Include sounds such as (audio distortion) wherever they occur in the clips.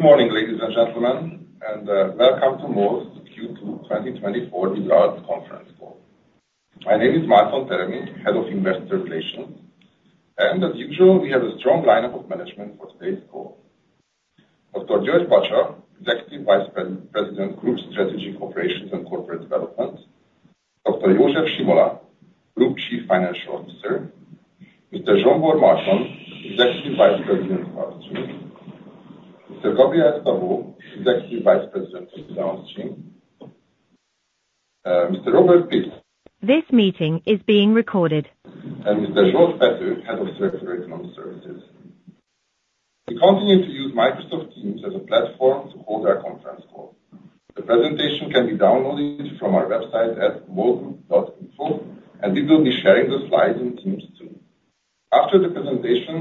Good morning, ladies and gentlemen, and welcome to MOL's Q2 2024 results conference call. My name is Márton Teremi, Head of Investor Relations, and as usual, we have a strong lineup of management for today's call. Dr. György Bacsa, Executive Vice President, Group Strategy, Operations and Corporate Development; Dr. József Simola, Group Chief Financial Officer; Mr. Zsombor Marton, Executive Vice President, Exploration & Production; Mr. Gabriel Szabó, Executive Vice President, Downstream; Mr. Róbert Kézdi- This meeting is being recorded. Mr. György Patterman, Head of Circular Economy Services. We continue to use Microsoft Teams as a platform to hold our conference call. The presentation can be downloaded from our website at molgroup.info, and we will be sharing the slides in Teams too. After the presentation,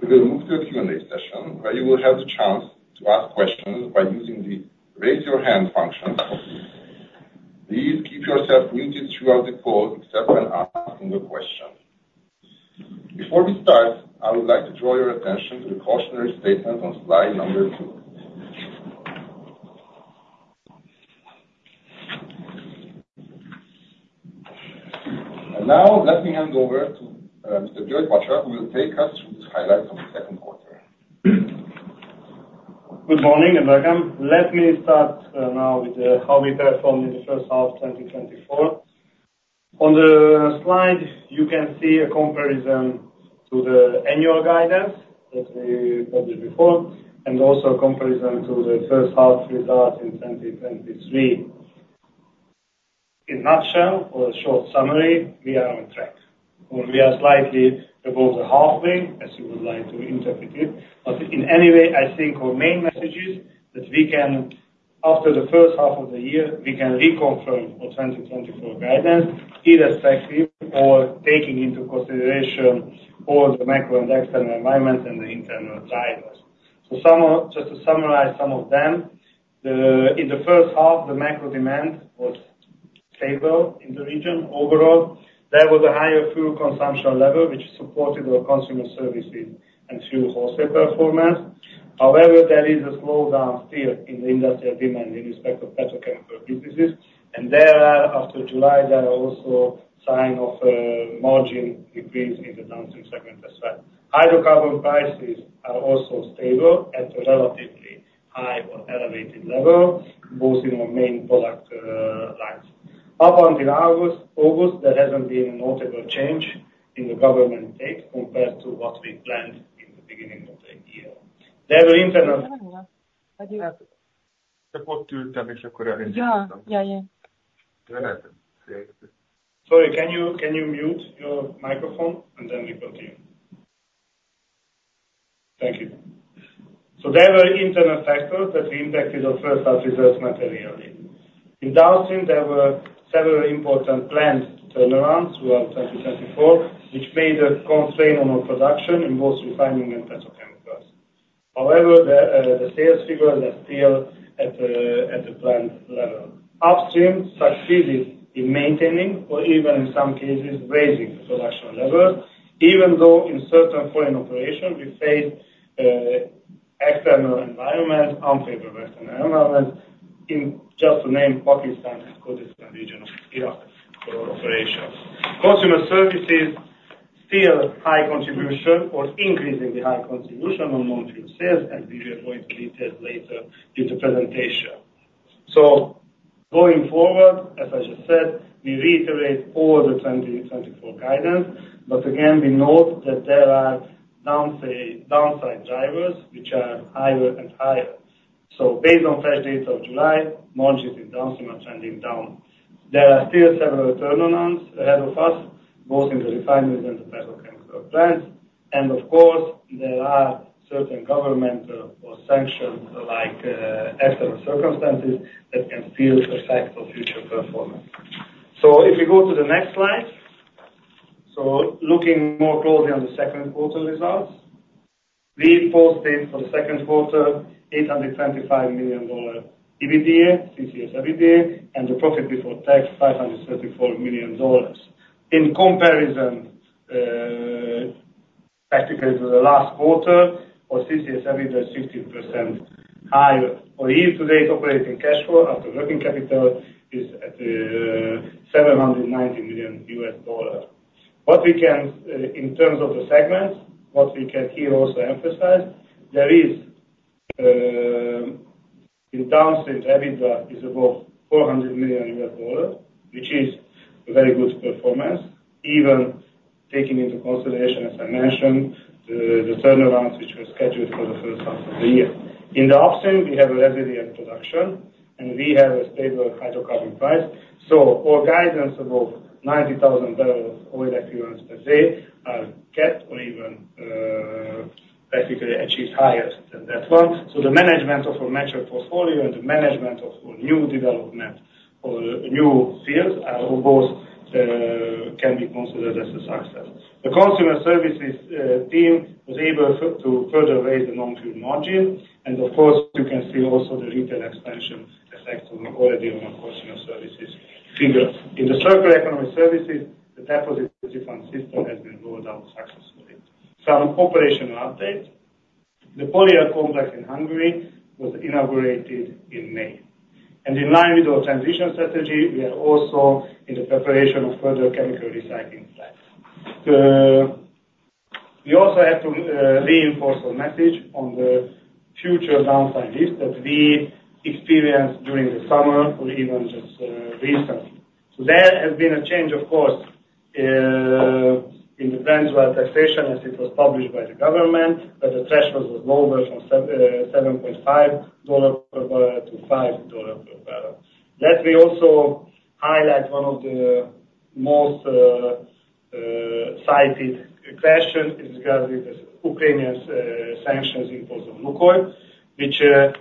we will move to a Q&A session, where you will have the chance to ask questions by using the Raise Your Hand function. Please keep yourself muted throughout the call, except when asking a question. Before we start, I would like to draw your attention to the cautionary statement on slide number two. And now, let me hand over to Mr. György Bacsa, who will take us through the highlights of the second quarter. Good morning, and welcome. Let me start now with how we performed in the first half, 2024. On the slide, you can see a comparison to the annual guidance that we published before, and also comparison to the first half results in 2023. In a nutshell or a short summary, we are on track, or we are slightly above the halfway, as you would like to interpret it. But in any way, I think our main message is that we can, after the first half of the year, we can reconfirm our 2024 guidance, irrespective or taking into consideration all the macro and external environments and the internal drivers. So just to summarize some of them, in the first half, the macro demand was stable in the region. Overall, there was a higher fuel consumption level, which supported our consumer services and fuel wholesale performance. However, there is a slowdown still in the industrial demand in respect of petrochemical businesses, and there are, after July, there are also signs of margin decrease in the downstream segment as well. Hydrocarbon prices are also stable at a relatively high or elevated level, both in our main product lines. Up until August, there hasn't been a notable change in the government take compared to what we planned in the beginning of the year. There were internal- (audio distortion) Sorry, can you, can you mute your microphone, and then we continue? Thank you. So there were internal factors that impacted our first half results materially. In downstream, there were several important planned turnarounds throughout 2024, which made a constraint on our production in both refining and petrochemicals. However, the, the sales figures are still at the, at the planned level. Upstream succeeded in maintaining or even, in some cases, raising the production level, even though in certain foreign operations, we faced, external environment, unfavorable external environment, in, just to name, Pakistan and Kurdistan Region of Iraq for our operations. Consumer services still high contribution or increasingly high contribution on non-fuel sales, and we are going to detail later in the presentation. So going forward, as I just said, we reiterate all the 2024 guidance, but again, we note that there are downside drivers which are higher and higher. So based on fresh dates of July, margins in downstream are trending down. There are still several turnarounds ahead of us, both in the refineries and the petrochemical plants. And of course, there are certain government, or sanctions like, external circumstances that can still affect our future performance. So if we go to the next slide. So looking more closely on the second quarter results, we posted for the second quarter, $825 million EBITDA, CCS EBITDA, and the profit before tax, $534 million. In comparison, actually to the last quarter, our CCS EBITDA is 60% higher. For year-to-date, operating cash flow after working capital is at $790 million. What we can, in terms of the segments, what we can here also emphasize, there is, in downstream, EBITDA is above $400 million, which is a very good performance, even taking into consideration, as I mentioned, the turnarounds which were scheduled for the first half of the year. In the upstream, we have a resilient production, and we have a stable hydrocarbon price. So our guidance above 90,000 barrels oil equivalents per day are kept or even, basically achieved higher than that one. So the management of our mature portfolio and the management of our new development or new fields, both, can be considered as a success. The consumer services team was able to further raise the non-fuel margin, and of course, you can see also the retail expansion effect on, already on our consumer services figure. In the circular economy services, the Deposit Refund System has been rolled out successfully. On operational update, the Polyol complex in Hungary was inaugurated in May, and in line with our transition strategy, we are also in the preparation of further chemical recycling plants. We also have to reinforce our message on the future downside risk that we experienced during the summer or even just recently. There has been a change of course in the windfall taxation, as it was published by the government, that the threshold was lowered from $7.5 per barrel-$5 per barrel. Let me also highlight one of the most cited questions regarding the Ukrainian sanctions imposed on Lukoil, which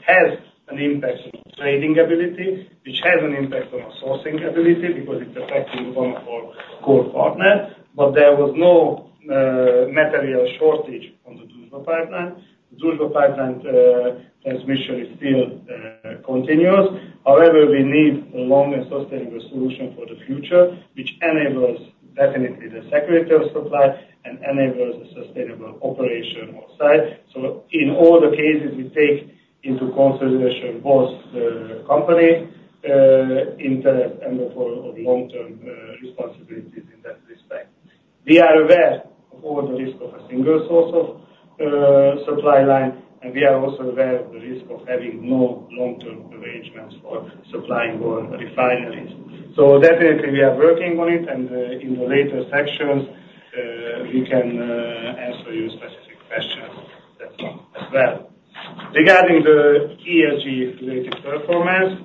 has an impact on our trading ability, which has an impact on our sourcing ability, because it's affecting one of our core partners. But there was no material shortage on the Druzhba pipeline. Druzhba pipeline transmission is still continuous. However, we need a long and sustainable solution for the future, which enables definitely the security of supply and enables the sustainable operation of site. So in all the cases, we take into consideration both the company interest and for our long-term responsibilities in that respect. We are aware of all the risk of a single source of supply line, and we are also aware of the risk of having no long-term arrangements for supplying our refineries. So definitely we are working on it, and in the later sections, we can answer your specific questions as well. Regarding the ESG-related performance,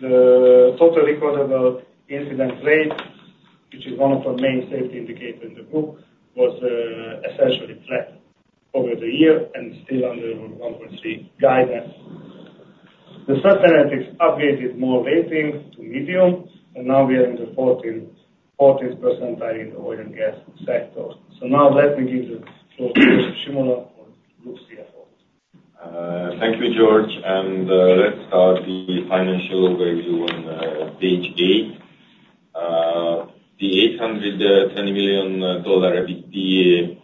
the total recordable incident rate, which is one of our main safety indicators in the Group, was essentially flat over the year and still under 1.3 guidance. MSCI upgraded our rating to medium, and now we are in the 14th percentile in the oil and gas sector. So now let me give the floor to József Simola, our Group CFO. Thank you, György, and let's start the financial overview on page eight. The $810 million EBITDA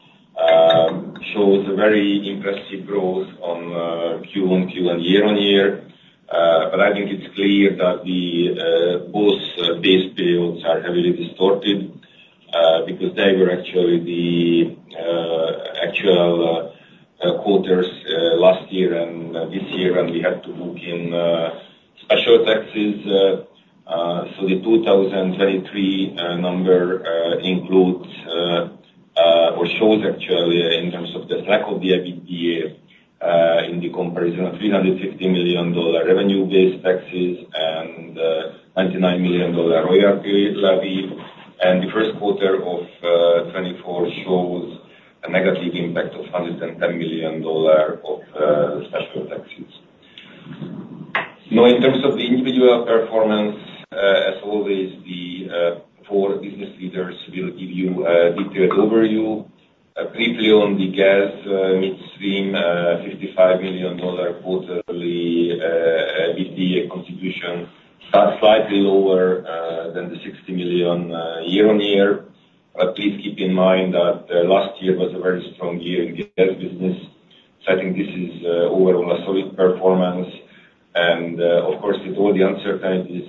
shows a very impressive growth on Q-on-Q and year-on-year. But I think it's clear that both base periods are heavily distorted because they were actually the actual quarters last year and this year, and we had to book in special taxes. So the 2023 number includes or shows actually, in terms of the lack of the EBITDA, in the comparison of $350 million revenue-based taxes and $99 million royalty levy. The first quarter of 2024 shows a negative impact of $110 million of special taxes. Now, in terms of the individual performance, as always, the four business leaders will give you a detailed overview. Briefly on the gas midstream, $55 million quarterly EBITDA contribution, started slightly lower than the $60 million year-on-year. But please keep in mind that last year was a very strong year in gas business. So I think this is overall a solid performance. And of course, with all the uncertainties,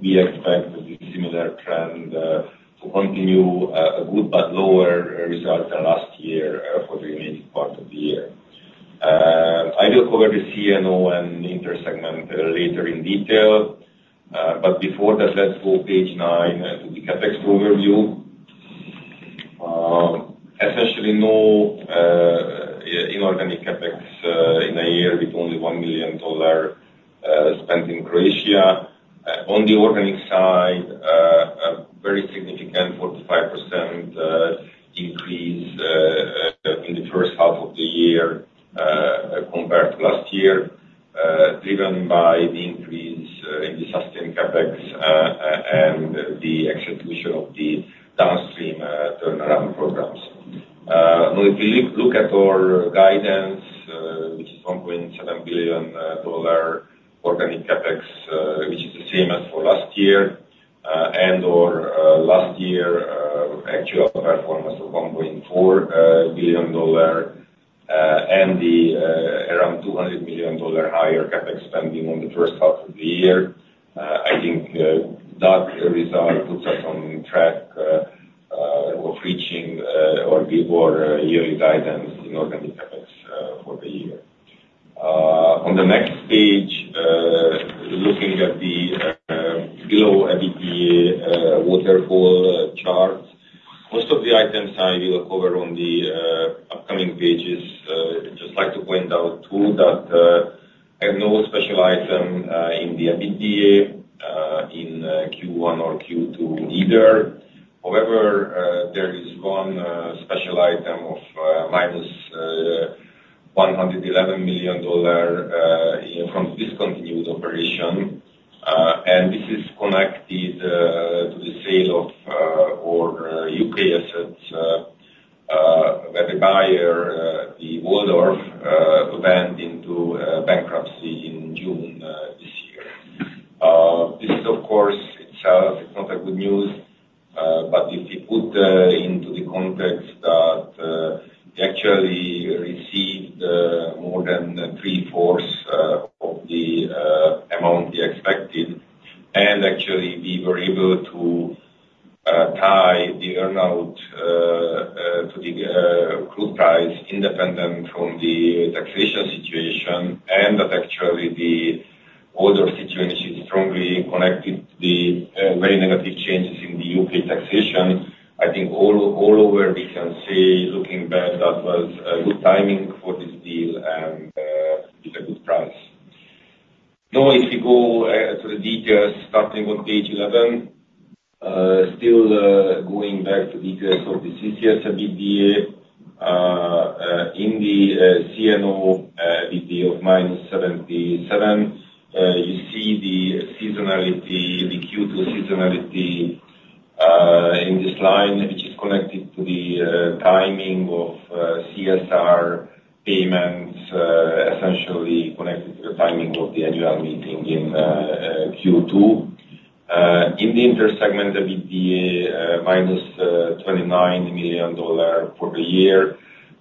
we expect the similar trend to continue, a good but lower result than last year for the remaining part of the year. I will cover the CNO and intersegment later in detail, but before that, let's go page nine, the CapEx overview. Essentially, no inorganic CapEx in a year with only $1 million spent in Croatia. On the organic side, a very significant 45% increase in the first half of the year compared to last year, driven by the increase in the sustained CapEx and the execution of the downstream turnaround programs. If you look at our guidance, which is $1.7 billion dollar organic CapEx, which is the same as for last year, and or last year actual performance of $1.4 billion dollar, and the around $200 million dollar higher CapEx spending on the first half of the year, I think that result puts us on track of reaching or before yearly guidance in organic CapEx for the year. On the next page, looking at the below EBITDA waterfall chart. Most of the items I will cover on the upcoming pages. I'd just like to point out too, that I have no special item in the EBITDA in Q1 or Q2 either.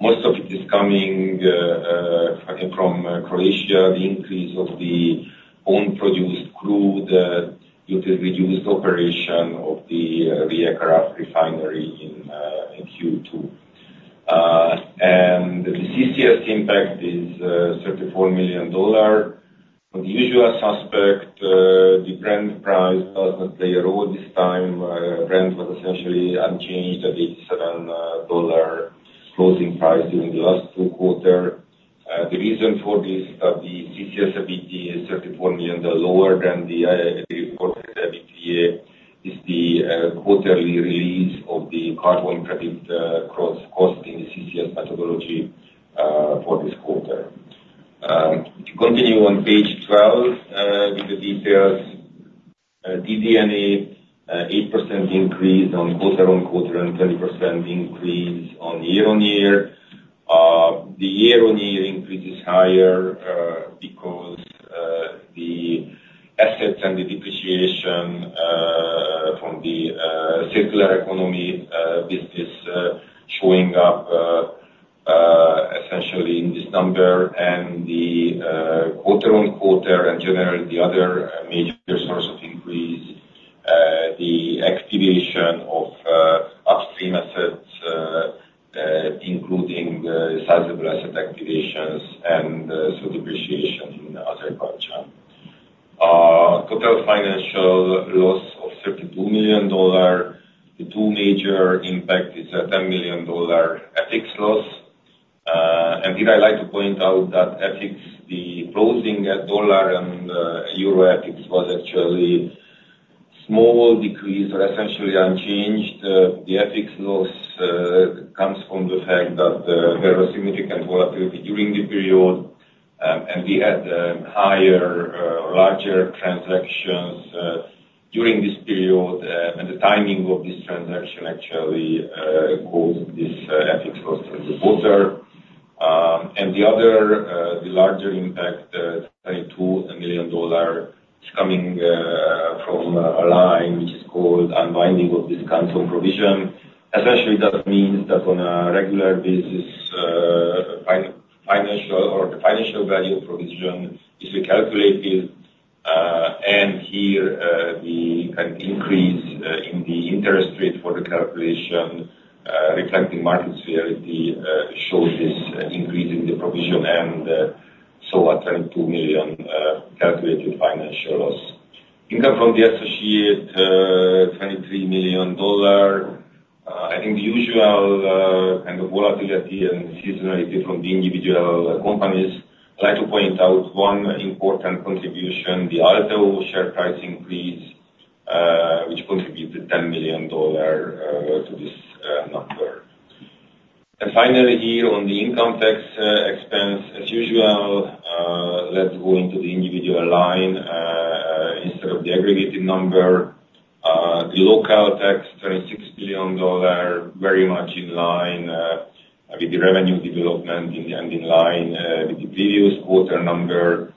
Most of it is coming, I think from Croatia, the increase of the own produced crude due to reduced operation of the Rijeka Refinery in Q2. And the CCS impact is $34 million. The usual suspect, the Brent price does not play a role this time. Brent was essentially unchanged at $87 closing price during the last two quarters. The reason for this, the CCS EBITDA is $34 million lower than the reported EBITDA, is the quarterly release of the carbon credit cost in the CCS methodology for this quarter. If you continue on page 12 with the details, DD&A, 8% increase quarter-over-quarter and 20% increase year-over-year. The year-on-year increase is higher because the assets and the depreciation from the circular economy business showing up essentially in this number and the quarter-over-quarter and generally the other major source of increase, the activation of upstream assets including sizable asset activations and so depreciation in Azerbaijan. Total financial loss of $32 million. The two major impact is a $10 million FX loss. And here I'd like to point out that FX, the closing at dollar and euro FX was actually small decrease or essentially unchanged. The FX loss comes from the fact that there was significant volatility during the period, and we had higher, larger transactions during this period. And the timing of this transaction actually caused this FX loss in the quarter. And the other, the larger impact, $22 million, is coming from a line which is called unwinding of discount on provision. Essentially, that means that on a regular basis, financial or the financial value of provision is recalculated. And here, an increase in the interest rate for the calculation, reflecting market severity, shows this increase in the provision and, so a $22 million calculated financial loss. Income from the associate, $23 million. I think the usual kind of volatility and seasonality from the individual companies. I'd like to point out one important contribution, the ALTEO share price increase, which contributed $10 million to this number. And finally, here on the income tax expense, as usual, let's go into the individual line instead of the aggregated number. The local tax, $26 billion, very much in line with the revenue development and in line with the previous quarter number.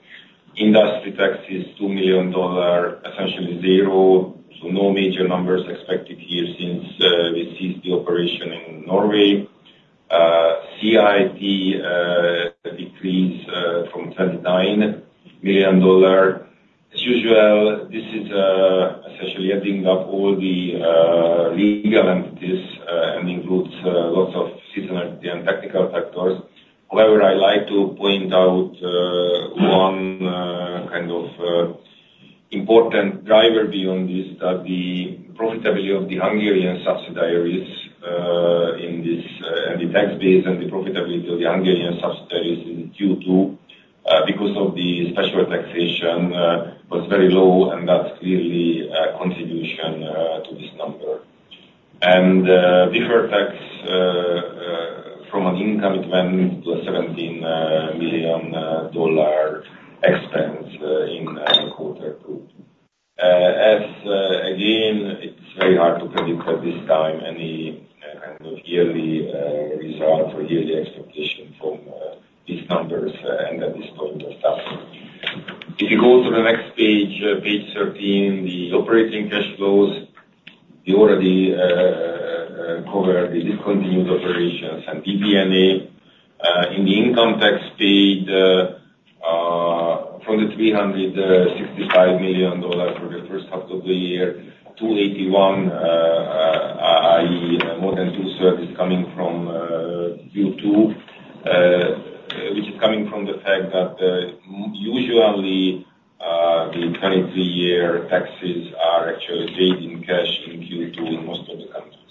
Industry tax is $2 million, essentially zero, so no major numbers expected here since we ceased the operation in Norway. CIT decreased from $29 million. As usual, this is essentially adding up all the legal entities and includes lots of seasonality and technical factors. However, I like to point out one kind of important driver beyond this, that the profitability of the Hungarian subsidiaries in this and the tax base and the profitability of the Hungarian subsidiaries in Q2 because of the special taxation was very low, and that's clearly a contribution to this number. Deferred tax from an income, it went to a $17 million expense in quarter two. Again, it's very hard to predict at this time any kind of yearly result or yearly expectation from these numbers, and at this point of time. If you go to the next page, page 13, the operating cash flows, we already covered the discontinued operations and EBITDA. In the income tax paid, from the $365 million for the first half of the year, $281 million, i.e., more than two-thirds is coming from Q2, which is coming from the fact that usually the current year taxes are actually paid in cash in Q2 in most of the countries.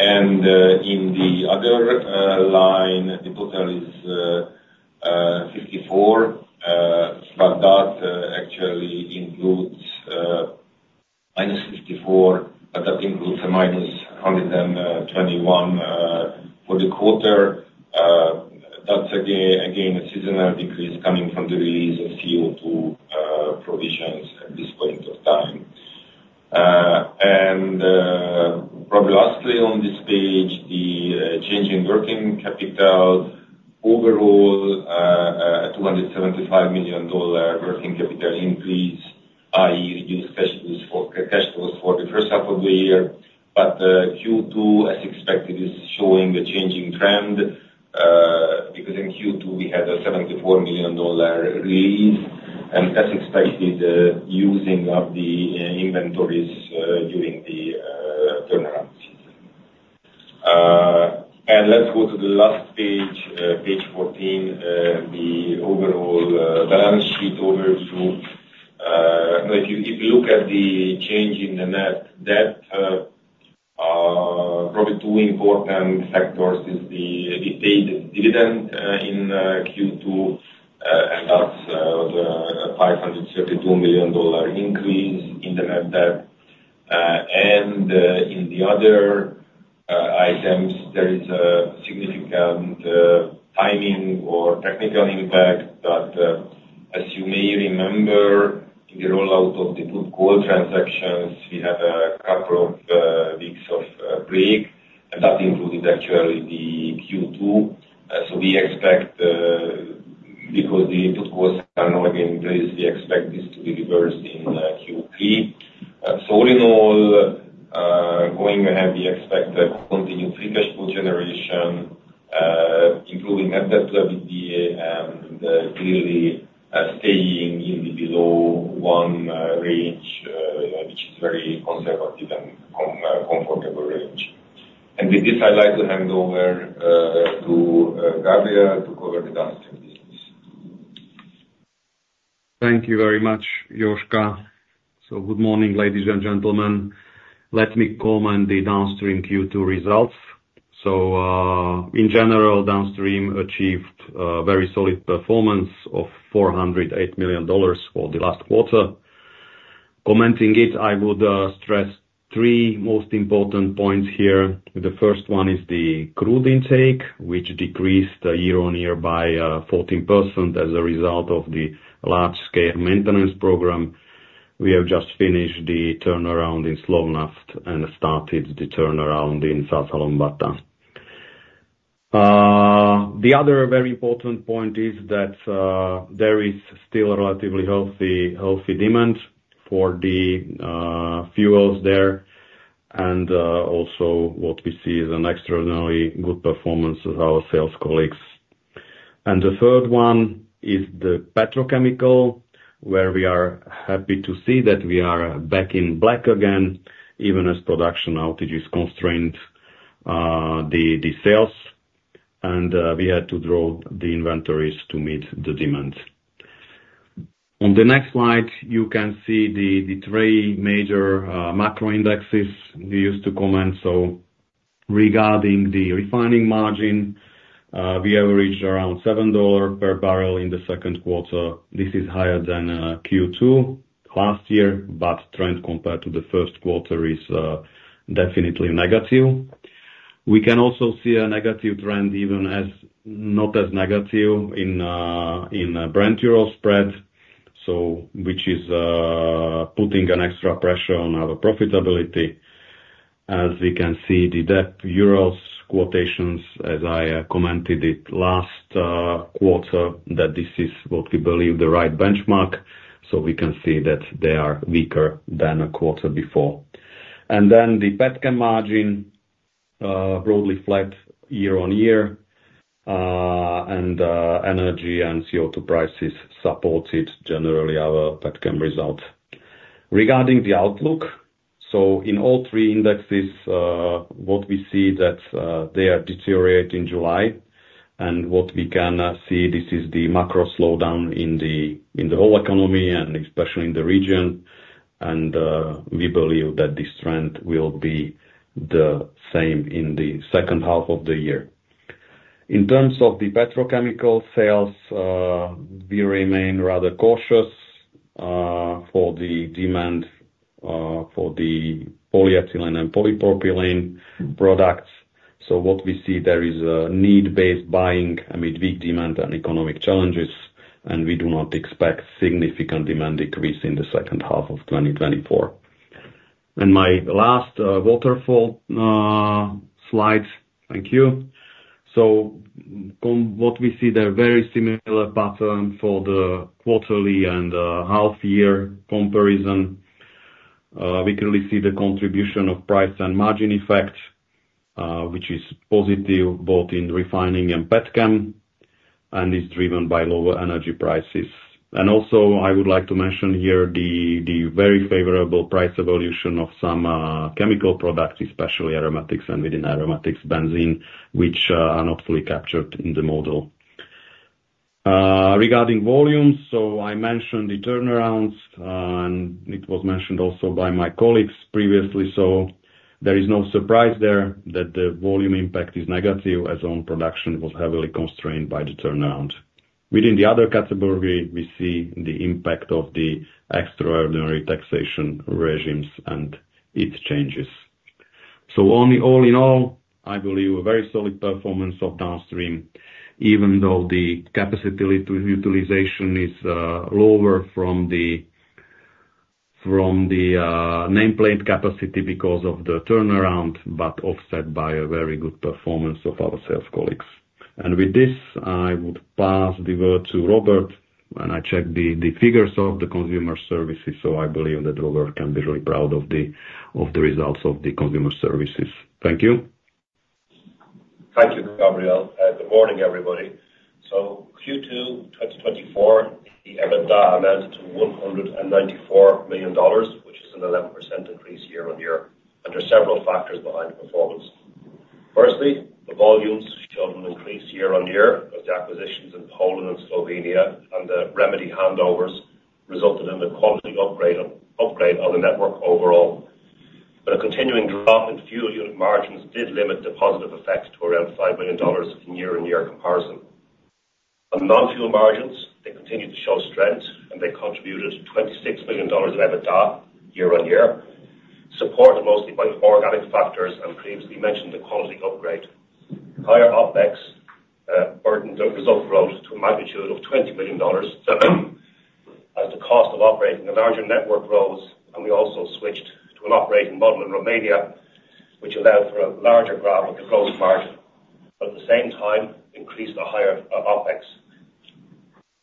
And in the other line, the total is 54, but that actually includes minus 54, but that includes a minus 121 for the quarter. That's again, again, a seasonal decrease coming from the release of CO2 provisions at this point of time. And probably lastly on this page, the change in working capital overall, a $275 million working capital increase, i.e., use cash flows for- cash flows for the first half of the year. But Q2, as expected, is showing a changing trend, because in Q2, we had a $74 million release, and that's expected, using up the inventories during the turnaround season. Let's go to the last page, page 14, the overall balance sheet overview. Now, if you look at the change in the net debt, probably two important factors is the, we paid dividend in Q2, and that's the $532 million increase in the net debt. In the other items, there is a significant timing or technical impact that, as you may remember, in the rollout of the Polyol transactions, we had a couple of weeks of break, and that included actually the Q2. So we expect, because the Polyol costs are now again raised, we expect this to be reversed in Q3. So all in all, going ahead, we expect a continued free cash flow generation, improving net debt viability, and clearly, staying in the below one range, which is very conservative and comfortable range. And with this, I'd like to hand over to Gabriel to cover the downstream business. Thank you very much, Joska. Good morning, ladies and gentlemen. Let me comment the downstream Q2 results. In general, downstream achieved a very solid performance of $408 million for the last quarter. Commenting it, I would stress three most important points here. The first one is the crude intake, which decreased year-on-year by 14% as a result of the large-scale maintenance program. We have just finished the turnaround in Slovnaft and started the turnaround in Százhalombatta. The other very important point is that there is still a relatively healthy, healthy demand for the fuels there, and also what we see is an extraordinarily good performance of our sales colleagues. And the third one is the petrochemical, where we are happy to see that we are back in black again, even as production outages constrained the sales, and we had to draw the inventories to meet the demand. On the next slide, you can see the three major macro indexes we use to comment. So regarding the refining margin, we have reached around $7 per barrel in the second quarter. This is higher than Q2 last year, but trend compared to the first quarter is definitely negative. We can also see a negative trend, even as not as negative in the Brent-Ural spread, so which is putting an extra pressure on our profitability. As we can see, the Ural quotations, as I commented it last quarter, that this is what we believe the right benchmark. So we can see that they are weaker than a quarter before. And then the petchem margin broadly flat year-on-year, and energy and CO2 prices supported generally our petchem result. Regarding the outlook, in all three indexes, what we see that they are deteriorate in July. And what we can see, this is the macro slowdown in the whole economy and especially in the region, and we believe that this trend will be the same in the second half of the year. In terms of the petrochemical sales, we remain rather cautious for the demand for the polyethylene and polypropylene products.... So what we see there is a need-based buying amid weak demand and economic challenges, and we do not expect significant demand decrease in the second half of 2024. And my last waterfall slide. Thank you. So what we see there, very similar pattern for the quarterly and half year comparison. We clearly see the contribution of price and margin effect, which is positive both in refining and petchem, and is driven by lower energy prices. And also, I would like to mention here the very favorable price evolution of some chemical products, especially aromatics and within aromatics, benzene, which are not fully captured in the model. Regarding volumes, so I mentioned the turnarounds, and it was mentioned also by my colleagues previously, so there is no surprise there that the volume impact is negative, as own production was heavily constrained by the turnaround. Within the other category, we see the impact of the extraordinary taxation regimes and its changes. So, all in all, I believe a very solid performance of downstream, even though the capacity utilization is lower from the nameplate capacity because of the turnaround, but offset by a very good performance of our sales colleagues. And with this, I would pass the word to Robert, and I checked the figures of the consumer services, so I believe that Robert can be really proud of the results of the consumer services. Thank you. Thank you, Gabriel. Good morning, everybody. So Q2 2024, the EBITDA amounted to $194 million, which is an 11% increase year-on-year, and there are several factors behind the performance. Firstly, the volumes showed an increase year-on-year, as the acquisitions in Poland and Slovenia and the remedy handovers resulted in the quality upgrade of, upgrade of the network overall. But a continuing drop in fuel unit margins did limit the positive effects to around $5 million in year-on-year comparison. On non-fuel margins, they continued to show strength, and they contributed $26 billion of EBITDA year-on-year, supported mostly by organic factors and previously mentioned, the quality upgrade. Higher OpEx burdened the result growth to a magnitude of $20 million, as the cost of operating a larger network grows, and we also switched to an operating model in Romania, which allowed for a larger grab of the growth margin, but at the same time, increased the higher OpEx.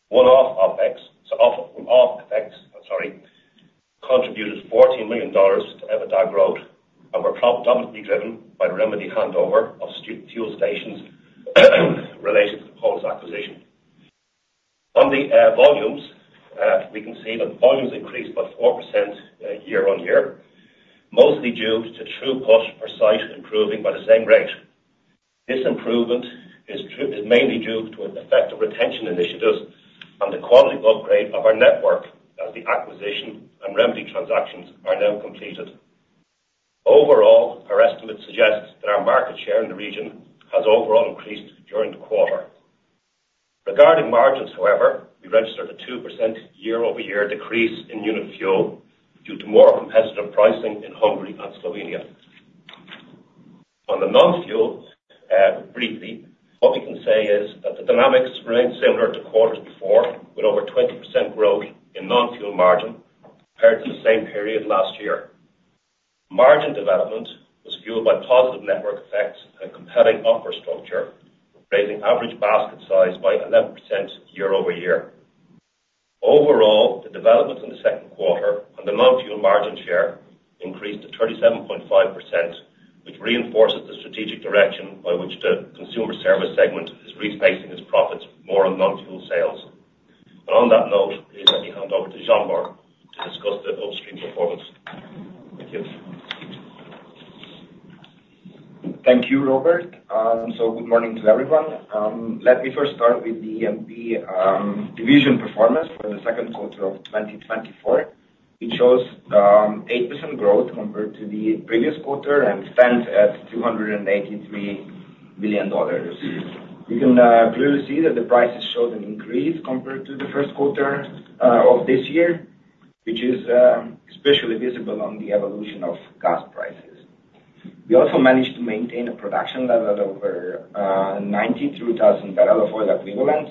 One-off OpEx, so off-Off OpEx, I'm sorry, contributed $14 million to EBITDA growth and were predominantly driven by the remedy handover of fuel stations, related to the Polish acquisition. On the volumes, we can see that volumes increased by 4%, year-on-year, mostly due to throughput per site improving by the same rate. This improvement is mainly due to an effective retention initiatives and the quality upgrade of our network, as the acquisition and remedy transactions are now completed. Overall, our estimates suggest that our market share in the region has overall increased during the quarter. Regarding margins, however, we registered a 2% year-over-year decrease in unit fuel due to more competitive pricing in Hungary and Slovenia. On the non-fuel, briefly, what we can say is that the dynamics remained similar to quarters before, with over 20% growth in non-fuel margin compared to the same period last year. Margin development was fueled by positive network effects and a compelling offer structure, raising average basket size by 11% year-over-year. Overall, the developments in the second quarter on the non-fuel margin share increased to 37.5%, which reinforces the strategic direction by which the consumer service segment is rethinking its profits more on non-fuel sales. And on that note, please let me hand over to Zsombor to discuss the upstream performance. Thank you. Thank you, Robert. Good morning to everyone. Let me first start with the upstream division performance for the second quarter of 2024. It shows 8% growth compared to the previous quarter and stands at $283 billion. You can clearly see that the prices showed an increase compared to the first quarter of this year, which is especially visible on the evolution of gas prices. We also managed to maintain a production level of over 92,000 barrels of oil equivalent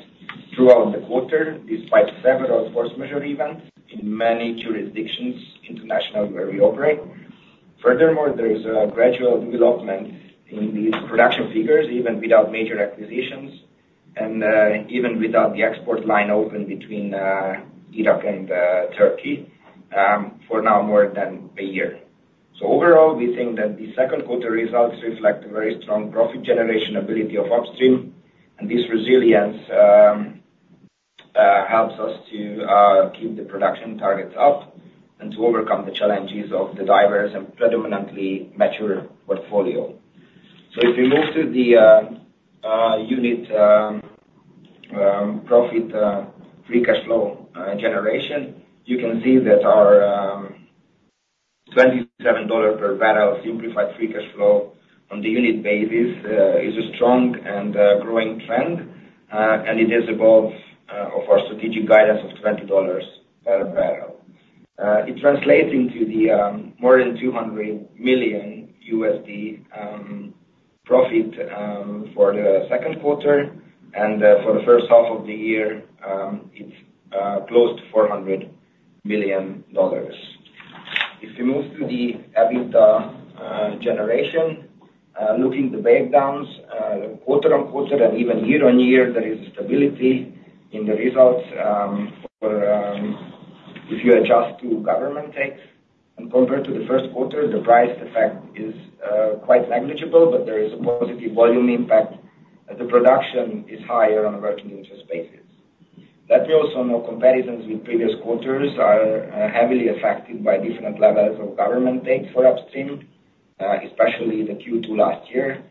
throughout the quarter, despite several force majeure events in many jurisdictions internationally, where we operate. Furthermore, there is a gradual development in these production figures, even without major acquisitions and even without the export line open between Iraq and Turkey for now more than a year. So overall, we think that the second quarter results reflect a very strong profit generation ability of upstream, and this resilience helps us to keep the production targets up and to overcome the challenges of the diverse and predominantly mature portfolio. So if we move to the unit profit free cash flow generation, you can see that our $27 per barrel simplified free cash flow on the unit basis is a strong and growing trend, and it is above of our strategic guidance of $20 per barrel.... It translates into the more than $200 million profit for the second quarter, and for the first half of the year, it's close to $400 million. If we move to the EBITDA generation, looking at the breakdowns, quarter-over-quarter and even year-over-year, there is stability in the results. For if you adjust for government takes and compared to the first quarter, the price effect is quite negligible, but there is a positive volume impact. The production is higher on a working interest basis. Let me also note, comparisons with previous quarters are heavily affected by different levels of government take for upstream, especially the Q2 last year.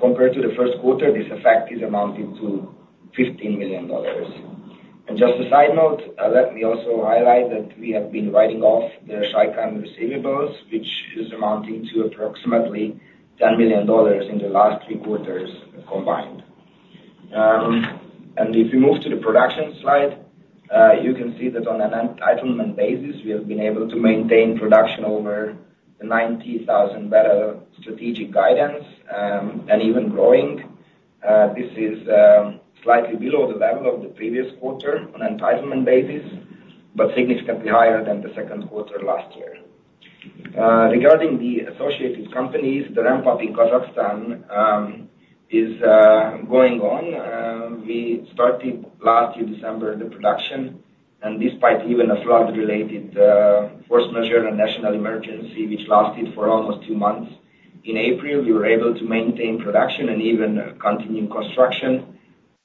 Compared to the first quarter, this effect is amounting to $15 million. Just a side note, let me also highlight that we have been writing off the uncollectible receivables, which is amounting to approximately $10 million in the last three quarters combined. And if you move to the production slide, you can see that on an Entitlement Basis, we have been able to maintain production over the 90,000-barrel strategic guidance, and even growing. This is slightly below the level of the previous quarter on Entitlement Basis, but significantly higher than the second quarter last year. Regarding the associated companies, the ramp up in Kazakhstan is going on. We started last year, December, the production, and despite even a flood related Force Majeure and national emergency, which lasted for almost two months. In April, we were able to maintain production and even continue construction,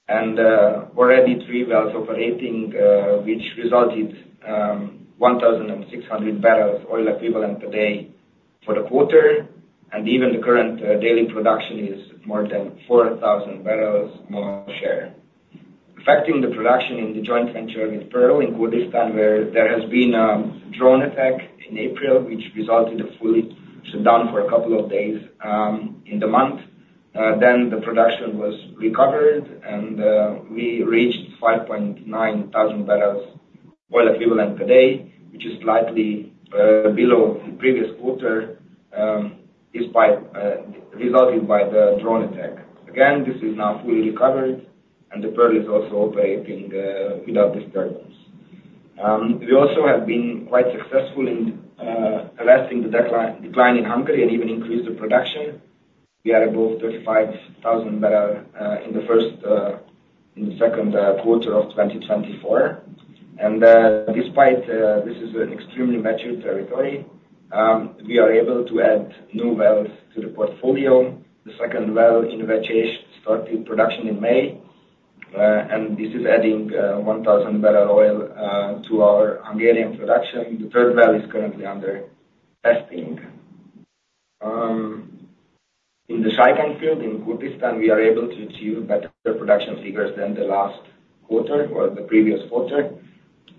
and already three wells operating, which resulted in 1,600 barrels oil equivalent per day for the quarter, and even the current daily production is more than 4,000 barrels more share. Affecting the production in the joint venture with Pearl in Kurdistan, where there has been a drone attack in April, which resulted in a fully shut down for a couple of days in the month. Then the production was recovered and we reached 5,900 barrels oil equivalent per day, which is slightly below the previous quarter, despite resulted by the drone attack. Again, this is now fully recovered, and the Pearl is also operating without disturbance. We also have been quite successful in arresting the decline in Hungary and even increase the production. We are above 35,000 barrels in the second quarter of 2024. Despite this is an extremely mature territory, we are able to add new wells to the portfolio. The second well started production in May, and this is adding 1,000 barrels of oil to our Hungarian production. The third well is currently under testing. In the Shaikan field in Kurdistan, we are able to achieve better production figures than the last quarter or the previous quarter,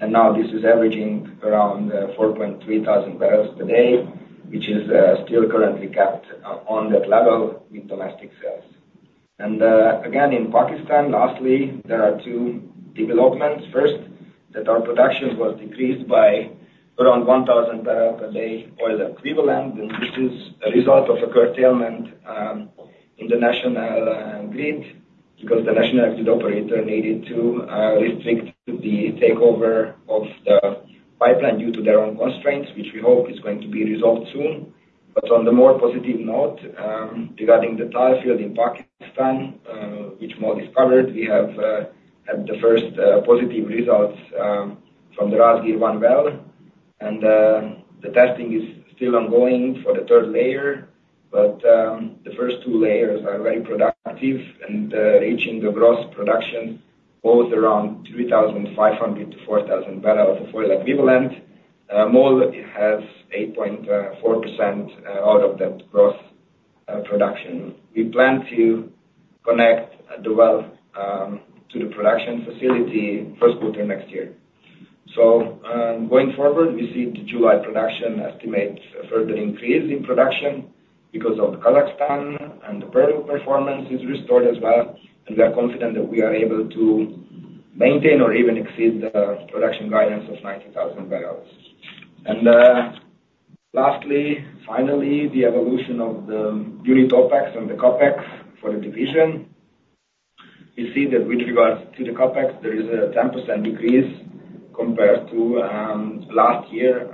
and now this is averaging around 4,300 barrels per day, which is still currently capped on that level with domestic sales. Again, in Pakistan, lastly, there are two developments. First, that our production was decreased by around 1,000 barrels per day oil equivalent, and this is a result of a curtailment in the national grid, because the national grid operator needed to restrict the takeover of the pipeline due to their own constraints, which we hope is going to be resolved soon. But on the more positive note, regarding the Tal field in Pakistan, which MOL discovered, we have had the first positive results from the Razgir-1 well, and the testing is still ongoing for the third layer. But the first two layers are very productive and reaching the gross production both around 3,500-4,000 barrels of oil equivalent. MOL has 8.4% out of that gross production. We plan to connect the well to the production facility first quarter next year. So, going forward, we see the July production estimate a further increase in production because of Kazakhstan and the Pearl performance is restored as well, and we are confident that we are able to maintain or even exceed the production guidance of 90,000 barrels. And, lastly, finally, the evolution of the unit OpEx and the CapEx for the division. You see that with regards to the CapEx, there is a 10% decrease compared to last year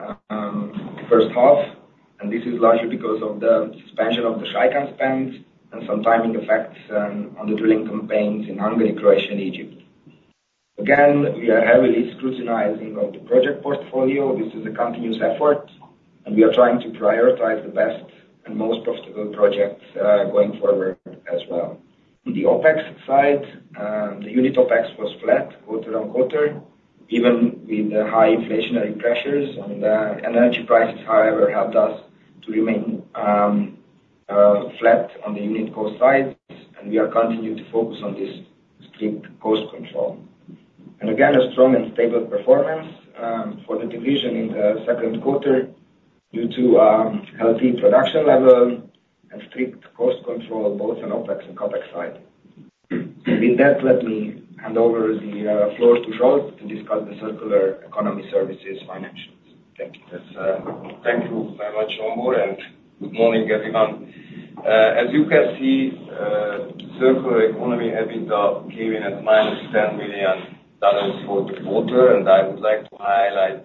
first half, and this is largely because of the suspension of the Shaikan spend and some timing effects on the drilling campaigns in Hungary, Croatia, and Egypt. Again, we are heavily scrutinizing of the project portfolio. This is a continuous effort, and we are trying to prioritize the best and most profitable projects, going forward as well. On the OpEx side, the unit OpEx was flat quarter-over-quarter, even with the high inflationary pressures. Energy prices, however, helped us to remain flat on the unit cost side, and we are continuing to focus on this strict cost control. Again, a strong and stable performance for the division in the second quarter due to healthy production level and strict cost control, both on OpEx and CapEx side.... With that, let me hand over the floor to Charles to discuss the circular economy services financials. Thank you. Thank you very much, Zsombor, and good morning, everyone. As you can see, circular economy EBITDA came in at -$10 million for the quarter, and I would like to highlight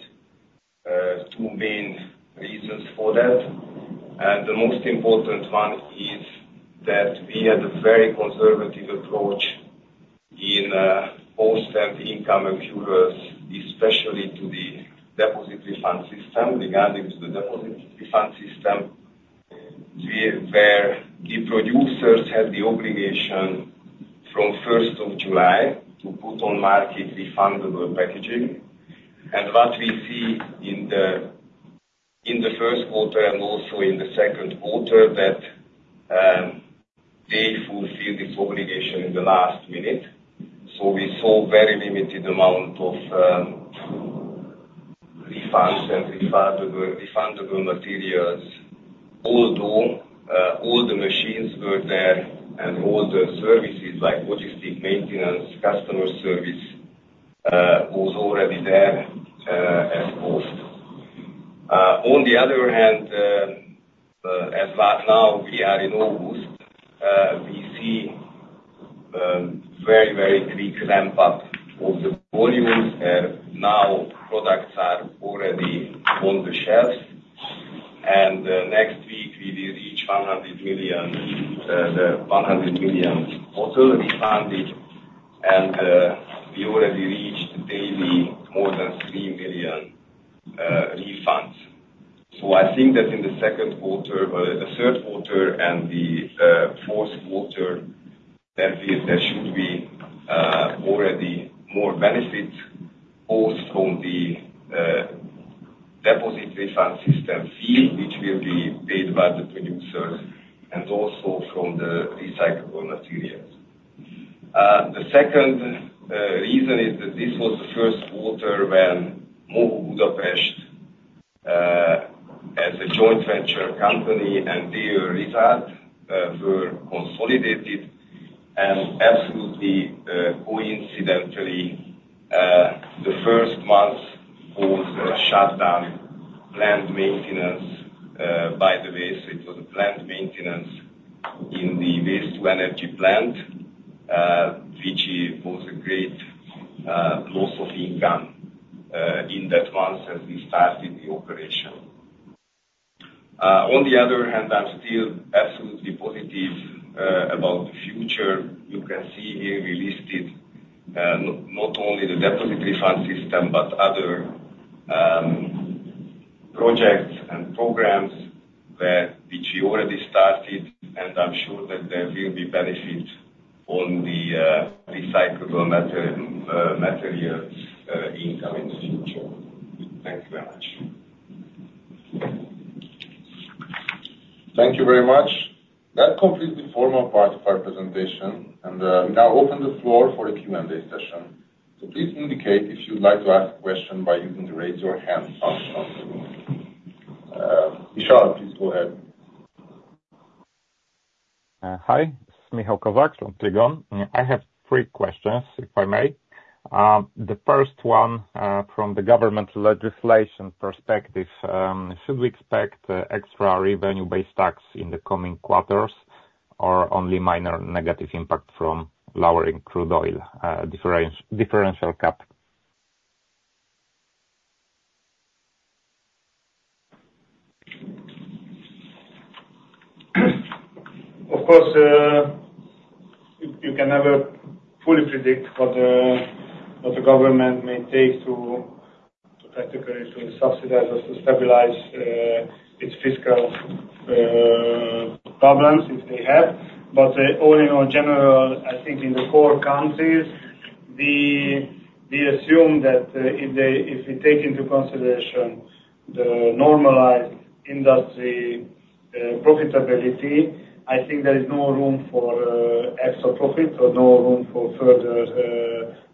two main reasons for that. And the most important one is that we had a very conservative approach in post and income accruals, especially to the deposit refund system. Regarding to the deposit refund system, where the producers had the obligation from first of July to put on market refundable packaging. And what we see in the first quarter and also in the second quarter, that they fulfill this obligation in the last minute. So we saw very limited amount of refunds and refundable, refundable materials. Although all the machines were there and all the services like logistics, maintenance, customer service was already there as post. On the other hand, but now we are in August, we see very, very quick ramp up of the volumes. Now, products are already on the shelf, and next week, we will reach 100 million, the 100 million bottle refunded, and we already reached daily more than 3 million refunds. So I think that in the second quarter, well, the third quarter and the fourth quarter, there will, there should be already more benefit, also the Deposit Refund System fee, which will be paid by the producers and also from the recyclable materials. The second reason is that this was the first quarter when MOHU Budapest, as a joint venture company and their result, were consolidated and absolutely, coincidentally, the first month was a shutdown plant maintenance. By the way, so it was a plant maintenance in the waste to energy plant, which was a great loss of income in that month as we started the operation. On the other hand, I'm still absolutely positive about the future. You can see here we listed, not only the deposit refund system, but other projects and programs that which we already started, and I'm sure that there will be benefit on the recyclable materials income in the future. Thank you very much. Thank you very much. That completes the formal part of our presentation, and we now open the floor for a Q&A session. So please indicate if you'd like to ask a question by using the Raise Your Hand function. Michelle, please go ahead. Hi, this is Michał Kozak from Trigon. I have three questions, if I may. The first one, from the government legislation perspective, should we expect extra revenue-based tax in the coming quarters, or only minor negative impact from lowering crude oil differential cap? Of course, you can never fully predict what the government may take to technically subsidize or to stabilize its fiscal problems, if they have. But all in all, generally, I think in the four countries, we assume that if we take into consideration the normalized industry profitability, I think there is no room for extra profit or no room for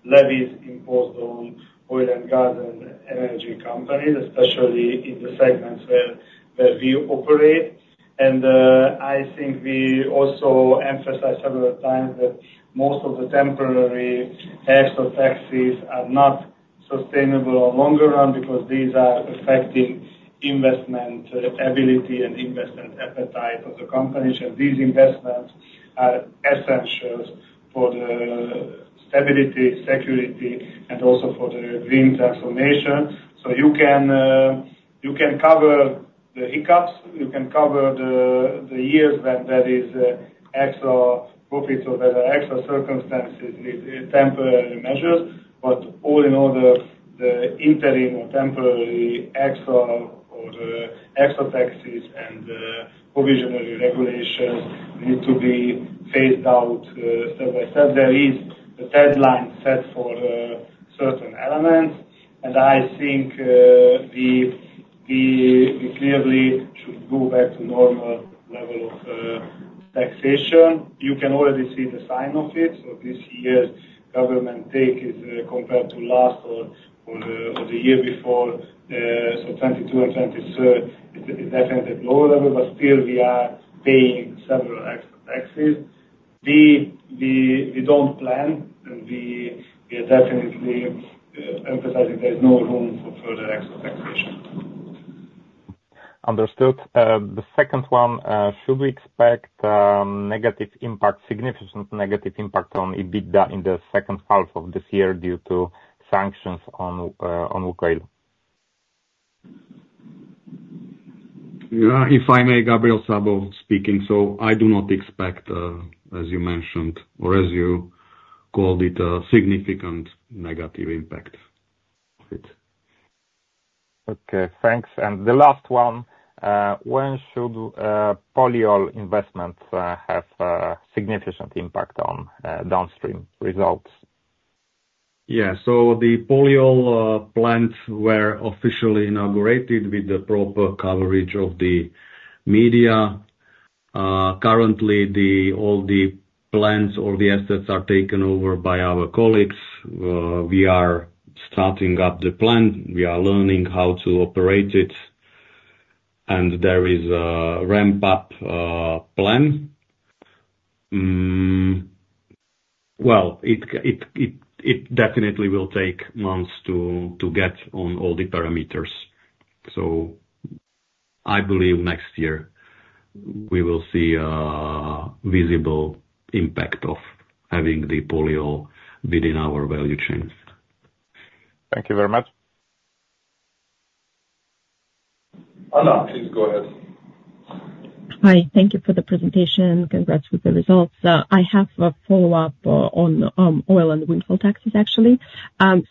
further levies imposed on oil and gas and energy companies, especially in the segments where we operate. And I think we also emphasize several times that most of the temporary extra taxes are not sustainable in the longer run because these are affecting investment ability and investment appetite of the companies. And these investments are essential for the stability, security, and also for the green transformation. So you can, you can cover the hiccups, you can cover the, the years when there is, extra profits or there are extra circumstances, with, temporary measures. But all in all, the, the interim or temporary extra or extra taxes and, provisionally regulations need to be phased out, step by step. There is a deadline set for, certain elements, and I think, we, we clearly should go back to normal level of, taxation. You can already see the sign of it. So this year's government take is, compared to last or, or the, or the year before, so 2022 and 2023, it's, it's definitely lower level, but still we are paying several extra taxes.... We don't plan, and we are definitely emphasizing there is no room for further expectation. Understood. The second one, should we expect negative impact, significant negative impact on EBITDA in the second half of this year due to sanctions on Ukraine? Yeah, if I may, Gabriel Szabó speaking. So I do not expect, as you mentioned, or as you called it, a significant negative impact of it. Okay, thanks. The last one, when should Polyol investments have significant impact on downstream results? Yeah. So the Polyol plants were officially inaugurated with the proper coverage of the media. Currently, all the plants or the assets are taken over by our colleagues. We are starting up the plant. We are learning how to operate it, and there is a ramp up plan. Well, it definitely will take months to get on all the parameters. So I believe next year we will see a visible impact of having the Polyol within our value chains. Thank you very much. Anna, please go ahead. Hi. Thank you for the presentation. Congrats with the results. I have a follow-up on oil and windfall taxes, actually.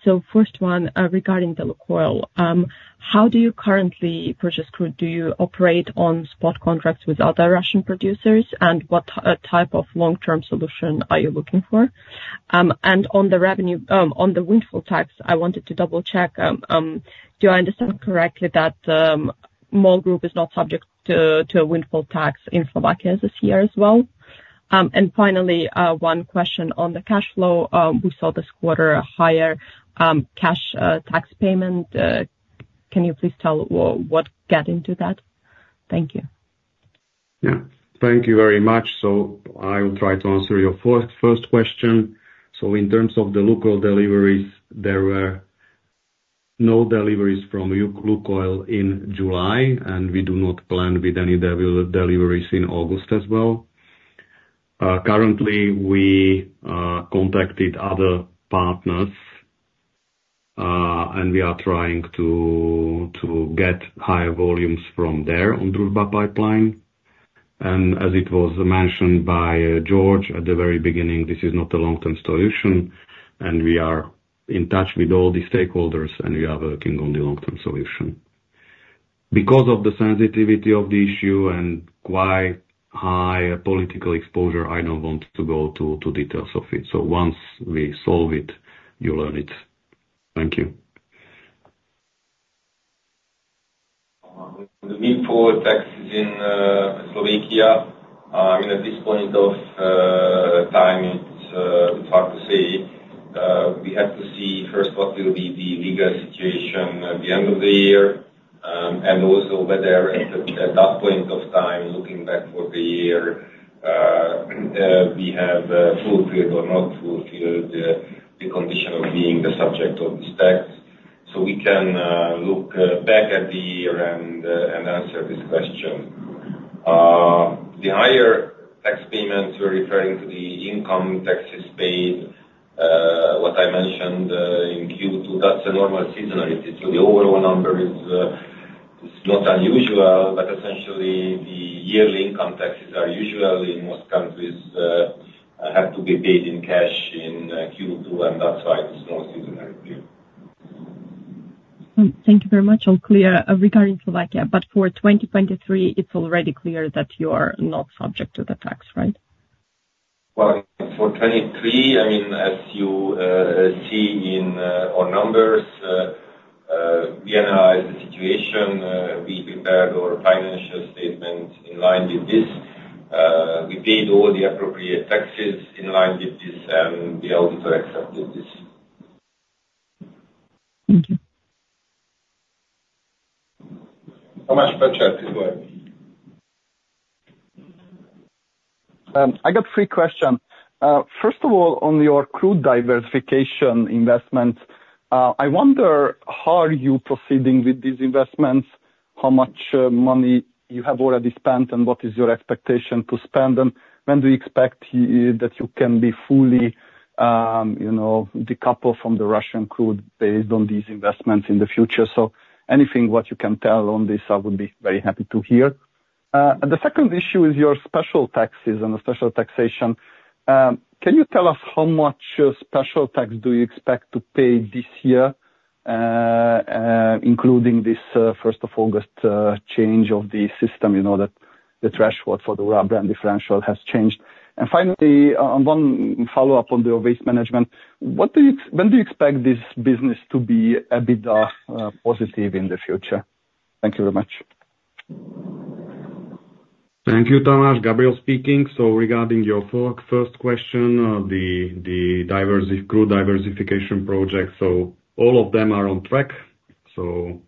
So first one, regarding the LUKOIL, how do you currently purchase crude? Do you operate on spot contracts with other Russian producers? And what type of long-term solution are you looking for? And on the revenue, on the windfall tax, I wanted to double-check, do I understand correctly that, MOL Group is not subject to a windfall tax in Slovakia this year as well? And finally, one question on the cash flow. We saw this quarter a higher cash tax payment. Can you please tell what got into that? Thank you. Yeah. Thank you very much. So I will try to answer your four, first question. So in terms of the local deliveries, there were no deliveries from Lukoil in July, and we do not plan with any deliveries in August as well. Currently, we contacted other partners, and we are trying to get higher volumes from there on Druzhba pipeline. And as it was mentioned by György at the very beginning, this is not a long-term solution, and we are in touch with all the stakeholders, and we are working on the long-term solution. Because of the sensitivity of the issue and quite high political exposure, I don't want to go to details of it. So once we solve it, you'll learn it. Thank you. The windfall taxes in Slovakia, I mean, at this point of time, it's hard to say. We have to see first what will be the legal situation at the end of the year, and also whether at that point of time, looking back for the year, we have fulfilled or not fulfilled the condition of being the subject of this tax. So we can look back at the year and answer this question. The higher tax payments, we're referring to the income taxes paid, what I mentioned in Q2, that's a normal seasonality. The overall number is not unusual, but essentially the yearly income taxes are usually in most countries, have to be paid in cash in Q2, and that's why it's more seasonality. Thank you very much. All clear regarding Slovakia, but for 2023, it's already clear that you are not subject to the tax, right? Well, for 2023, I mean, as you see in our numbers, we analyze the situation, we prepared our financial statement in line with this. We paid all the appropriate taxes in line with this, and the auditor accepted this. Thank you. Tamás Pletser, please go ahead. I got three questions. First of all, on your crude diversification investment, I wonder, how are you proceeding with these investments? How much money you have already spent, and what is your expectation to spend them? When do you expect that you can be fully, you know, decoupled from the Russian crude based on these investments in the future? So anything what you can tell on this, I would be very happy to hear. The second issue is your special taxes and the special taxation. Can you tell us how much special tax do you expect to pay this year, including this first of August change of the system? You know, that the threshold for the Urals brand differential has changed. And finally, one follow-up on the waste management. When do you expect this business to be EBITDA positive in the future? Thank you very much. Thank you, Tamás. Gabriel speaking. So regarding your first question, the crude diversification project, so all of them are on track, so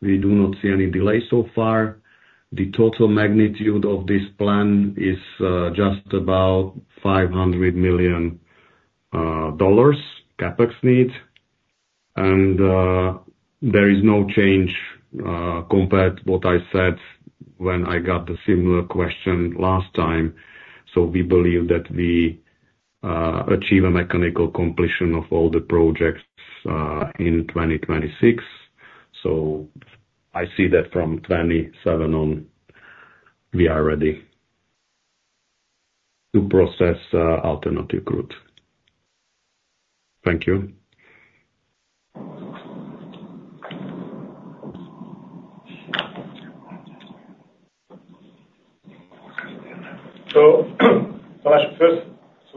we do not see any delay so far. The total magnitude of this plan is just about $500 million CapEx need. There is no change compared to what I said when I got the similar question last time. So we believe that we achieve a mechanical completion of all the projects in 2026. So I see that from 2027 on, we are ready to process alternative route. Thank you. So I should first,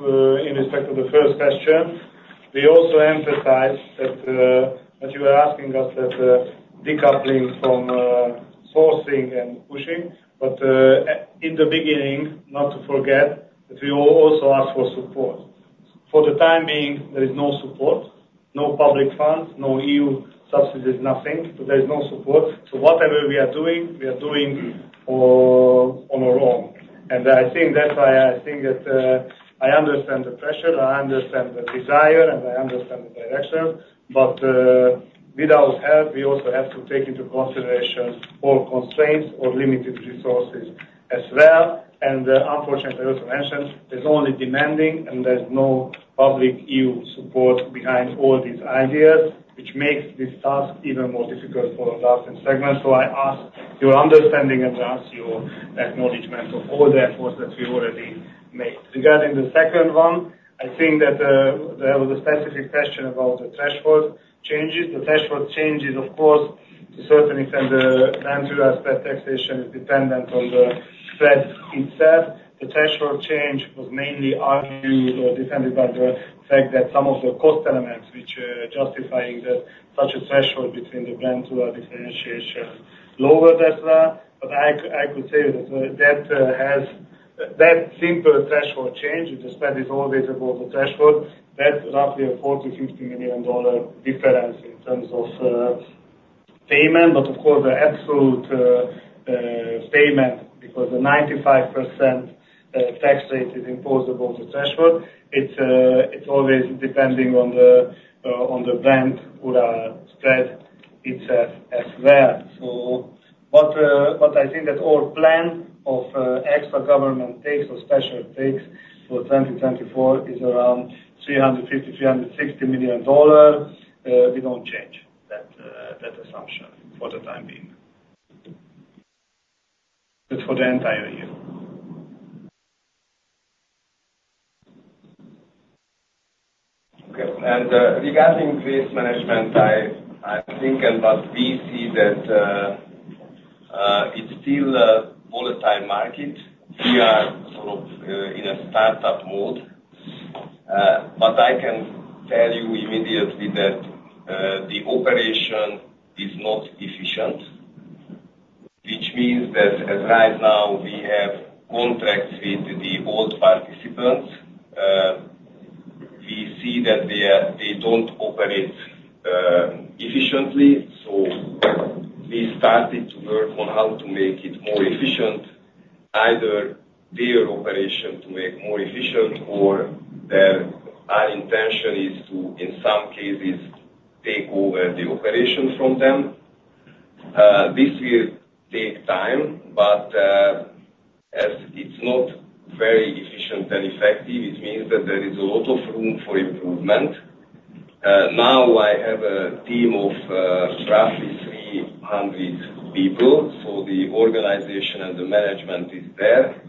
in respect to the first question, we also emphasize that, as you are asking us that, decoupling from sourcing and pushing, but in the beginning, not to forget, that we will also ask for support. For the time being, there is no support, no public funds, no EU subsidies, nothing. So there is no support. So whatever we are doing, we are doing on our own. And I think that's why I think that, I understand the pressure, I understand the desire, and I understand the direction, but without help, we also have to take into consideration all constraints or limited resources as well. And unfortunately, I also mentioned, there's only demanding and there's no public EU support behind all these ideas, which makes this task even more difficult for our segment. So I ask your understanding and ask your acknowledgement of all the efforts that we already made. Regarding the second one, I think that there was a specific question about the threshold changes. The threshold changes, of course, to a certain extent, the windfall taxation is dependent on the spread itself. The threshold change was mainly argued or defended by the fact that some of the cost elements which justifying that such a threshold between the Brent-Ural spread differentiation lower than that. But I could tell you that that simple threshold change, the spread is always above the threshold. That's roughly a $40 million-$50 million difference in terms of payment. But of course, the absolute payment, because the 95% tax rate is imposed above the threshold, it's always depending on the on the Brent or spread itself as well. But I think that our plan of extra government takes or special takes for 2024 is around $350 million-$360 million. We don't change that assumption for the time being. That's for the entire year. Okay. And regarding waste management, I think, and what we see that, it's still a volatile market. We are sort of in a startup mode. But I can tell you immediately that the operation is not efficient, which means that as right now, we have contracts with the old participants, we see that they don't operate efficiently. So we started to work on how to make it more efficient, either their operation to make more efficient or their... Our intention is to, in some cases, take over the operation from them. This will take time, but as it's not very efficient and effective, it means that there is a lot of room for improvement. Now I have a team of roughly 300 people, so the organization and the management is there.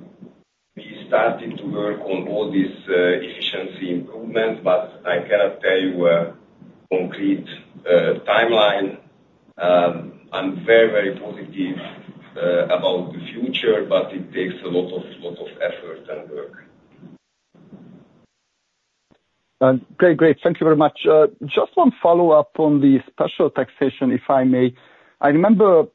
We started to work on all these efficiency improvements, but I cannot tell you a complete timeline. I'm very, very positive about the future, but it takes a lot of effort and work. Great. Great, thank you very much. Just one follow-up on the special taxation, if I may. I remember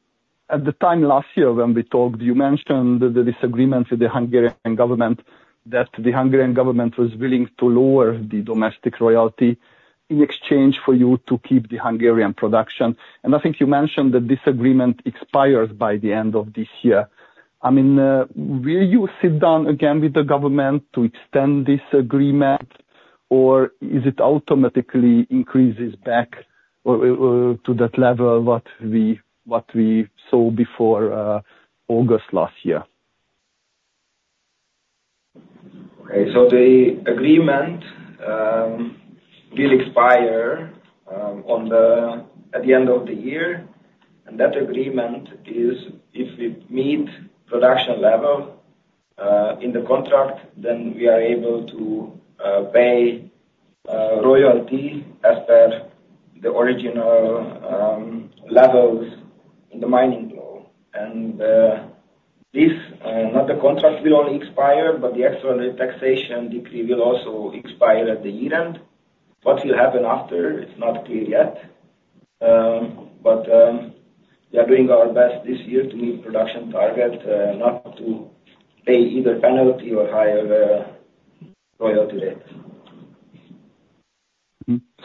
at the time last year when we talked, you mentioned the disagreement with the Hungarian government, that the Hungarian government was willing to lower the domestic royalty in exchange for you to keep the Hungarian production. And I think you mentioned that this agreement expires by the end of this year. I mean, will you sit down again with the government to extend this agreement, or is it automatically increases back or to that level, what we saw before August last year? Okay, so the agreement will expire at the end of the year. That agreement is if we meet production level in the contract, then we are able to pay royalty as per the original levels in the mining law. Not only the contract will expire, but the actual taxation decree will also expire at the year-end. What will happen after? It's not clear yet. But we are doing our best this year to meet production target, not to pay either penalty or higher royalty rate....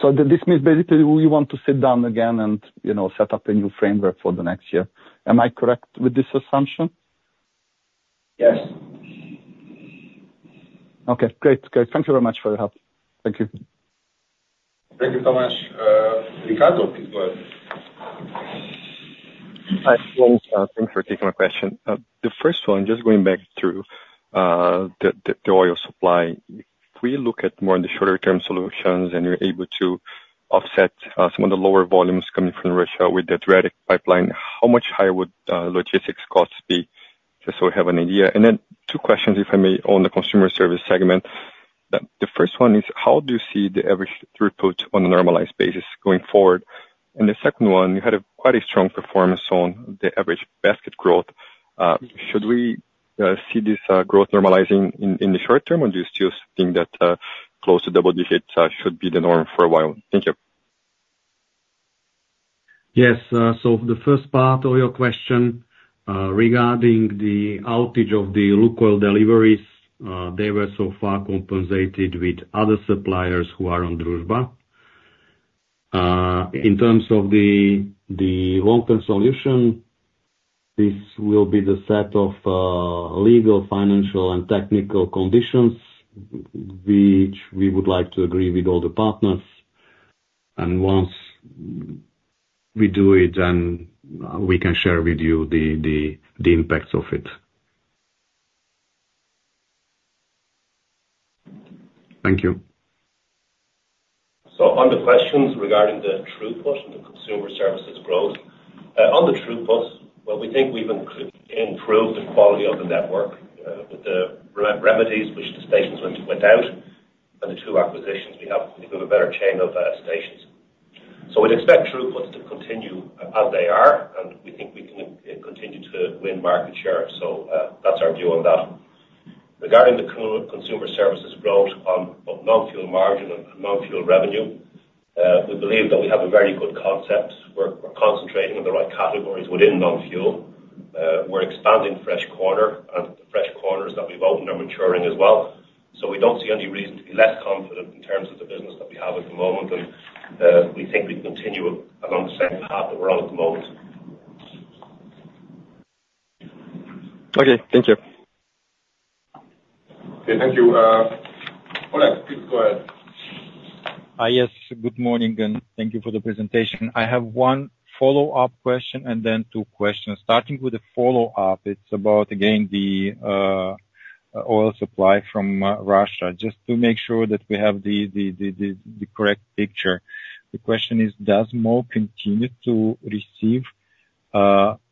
So this means basically we want to sit down again and, you know, set up a new framework for the next year. Am I correct with this assumption? Yes. Okay, great. Great. Thank you very much for your help. Thank you. Thank you so much, Riccardo, go ahead. Hi, thanks, thanks for taking my question. The first one, just going back to the oil supply. We look at more on the shorter term solutions, and you're able to offset some of the lower volumes coming from Russia with the Druzhba pipeline. How much higher would logistics costs be, just so we have an idea? And then two questions, if I may, on the consumer service segment. The first one is, how do you see the average throughput on a normalized basis going forward? And the second one, you had quite a strong performance on the average basket growth. Should we see this growth normalizing in the short term, or do you still think that close to double digits should be the norm for a while? Thank you. Yes, so the first part of your question, regarding the outage of the LUKOIL deliveries, they were so far compensated with other suppliers who are on Druzhba. In terms of the long-term solution, this will be the set of legal, financial and technical conditions which we would like to agree with all the partners, and once we do it, then we can share with you the impacts of it. Thank you. So on the questions regarding the throughput and the consumer services growth. On the throughput, well, we think we've improved the quality of the network, with the remedies which the stations went out, and the two acquisitions we have, we have a better chain of stations. So we'd expect throughput to continue as they are, and we think we can continue to win market share. So, that's our view on that. Regarding the consumer services growth on non-fuel margin and non-fuel revenue, we believe that we have a very good concept. We're concentrating on the right categories within non-fuel. We're expanding Fresh Corner, and the Fresh Corners that we've opened are maturing as well. We don't see any reason to be less confident in terms of the business that we have at the moment, and we think we continue along the same path that we're on at the moment. Okay. Thank you. Okay, thank you. Oleg, please go ahead. Yes, good morning, and thank you for the presentation. I have one follow-up question and then two questions. Starting with the follow-up, it's about, again, the oil supply from Russia. Just to make sure that we have the correct picture, the question is, does MOL continue to receive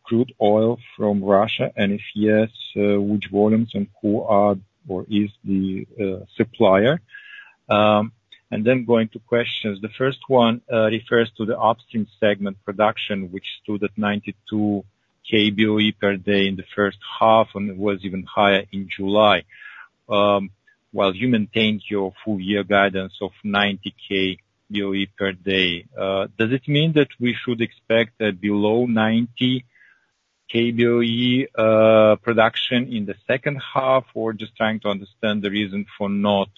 crude oil from Russia? And if yes, which volumes and who are or is the supplier? And then going to questions. The first one refers to the upstream segment production, which stood at 92 kboe per day in the first half, and it was even higher in July. While you maintain your full year guidance of 90 kboe per day, does it mean that we should expect that below 90 kboe production in the second half? Or just trying to understand the reason for not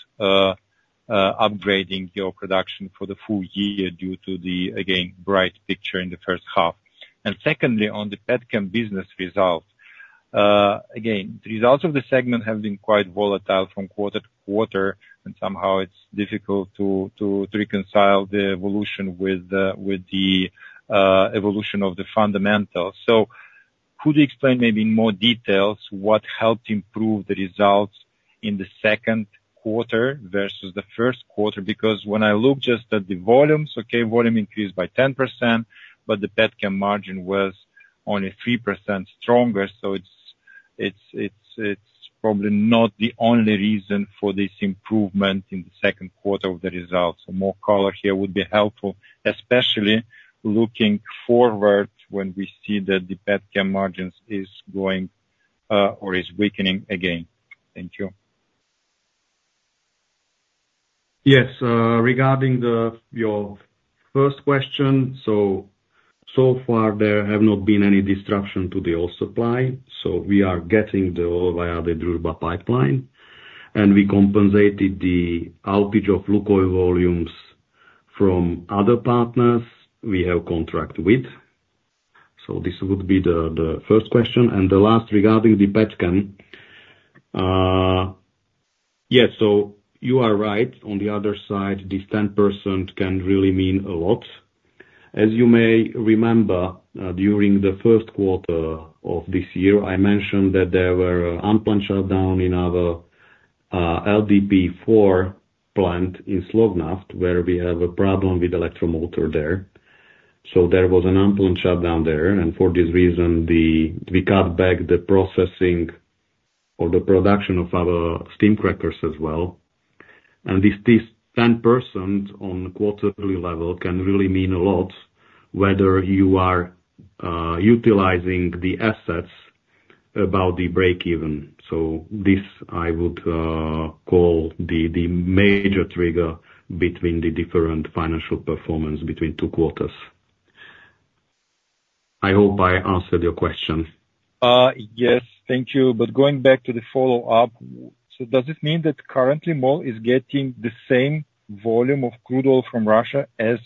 upgrading your production for the full year due to the, again, bright picture in the first half. And secondly, on the petchem business result, again, the results of the segment have been quite volatile from quarter to quarter, and somehow it's difficult to reconcile the evolution with the, with the, evolution of the fundamentals. So could you explain maybe in more details, what helped improve the results in the second quarter versus the first quarter? Because when I look just at the volumes, okay, volume increased by 10%, but the petchem margin was only 3% stronger. So it's probably not the only reason for this improvement in the second quarter of the results. More color here would be helpful, especially looking forward, when we see that the petchem margins is going, or is weakening again. Thank you. Yes. Regarding your first question, so far there have not been any disruption to the oil supply, so we are getting the oil via the Druzhba pipeline, and we compensated the outage of Lukoil volumes from other partners we have contract with. So this would be the first question, and the last, regarding the petchem. Yes, so you are right. On the other side, this 10% can really mean a lot. As you may remember, during the first quarter of this year, I mentioned that there were unplanned shutdown in our LDPE 4 plant in Slovnaft, where we have a problem with electromotor there. So there was an unplanned shutdown there, and for this reason, we cut back the processing or the production of our steam crackers as well. This, this 10% on quarterly level can really mean a lot, whether you are utilizing the assets about the break-even. So this, I would call the major trigger between the different financial performance between two quarters. I hope I answered your question. Yes, thank you. But going back to the follow-up, so does it mean that currently MOL is getting the same volume of crude oil from Russia as,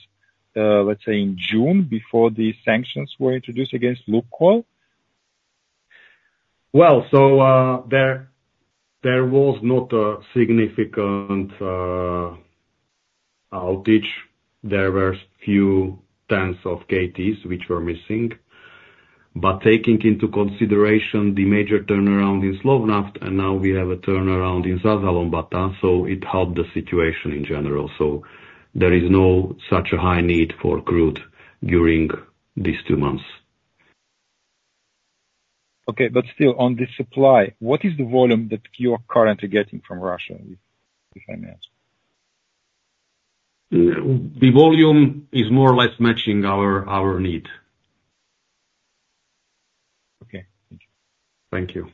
let's say, in June, before the sanctions were introduced against Lukoil? Well, so there was not a significant outage. There were few tens of kts which were missing. But taking into consideration the major turnaround in Slovnaft, and now we have a turnaround in Százhalombatta, so it helped the situation in general. So there is no such a high need for crude during these two months. Okay, but still, on the supply, what is the volume that you are currently getting from Russia, if, if I may ask? The volume is more or less matching our need. Okay. Thank you. Thank you.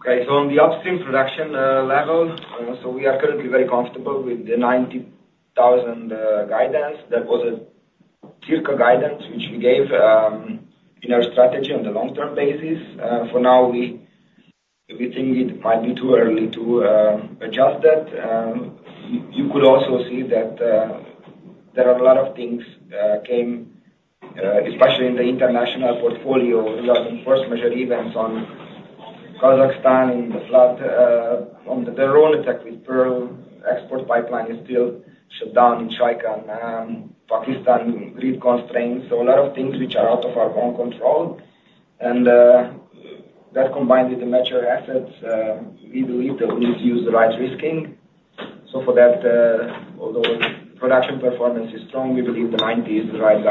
Okay, so on the upstream production level, so we are currently very comfortable with the 90,000 guidance. That was a circa guidance, which we gave, in our strategy on the long-term basis. For now, we think it might be too early to adjust that. You could also see that there are a lot of things came, especially in the international portfolio, regarding force majeure events on Kazakhstan, and the flood on the barrel effect with Pearl export pipeline is still shut down in Shaikan, and Pakistan grid constraints. So a lot of things which are out of our own control, and that combined with the mature assets, we believe that we've used the right risking. So for that, although production performance is strong, we believe the 90 is the right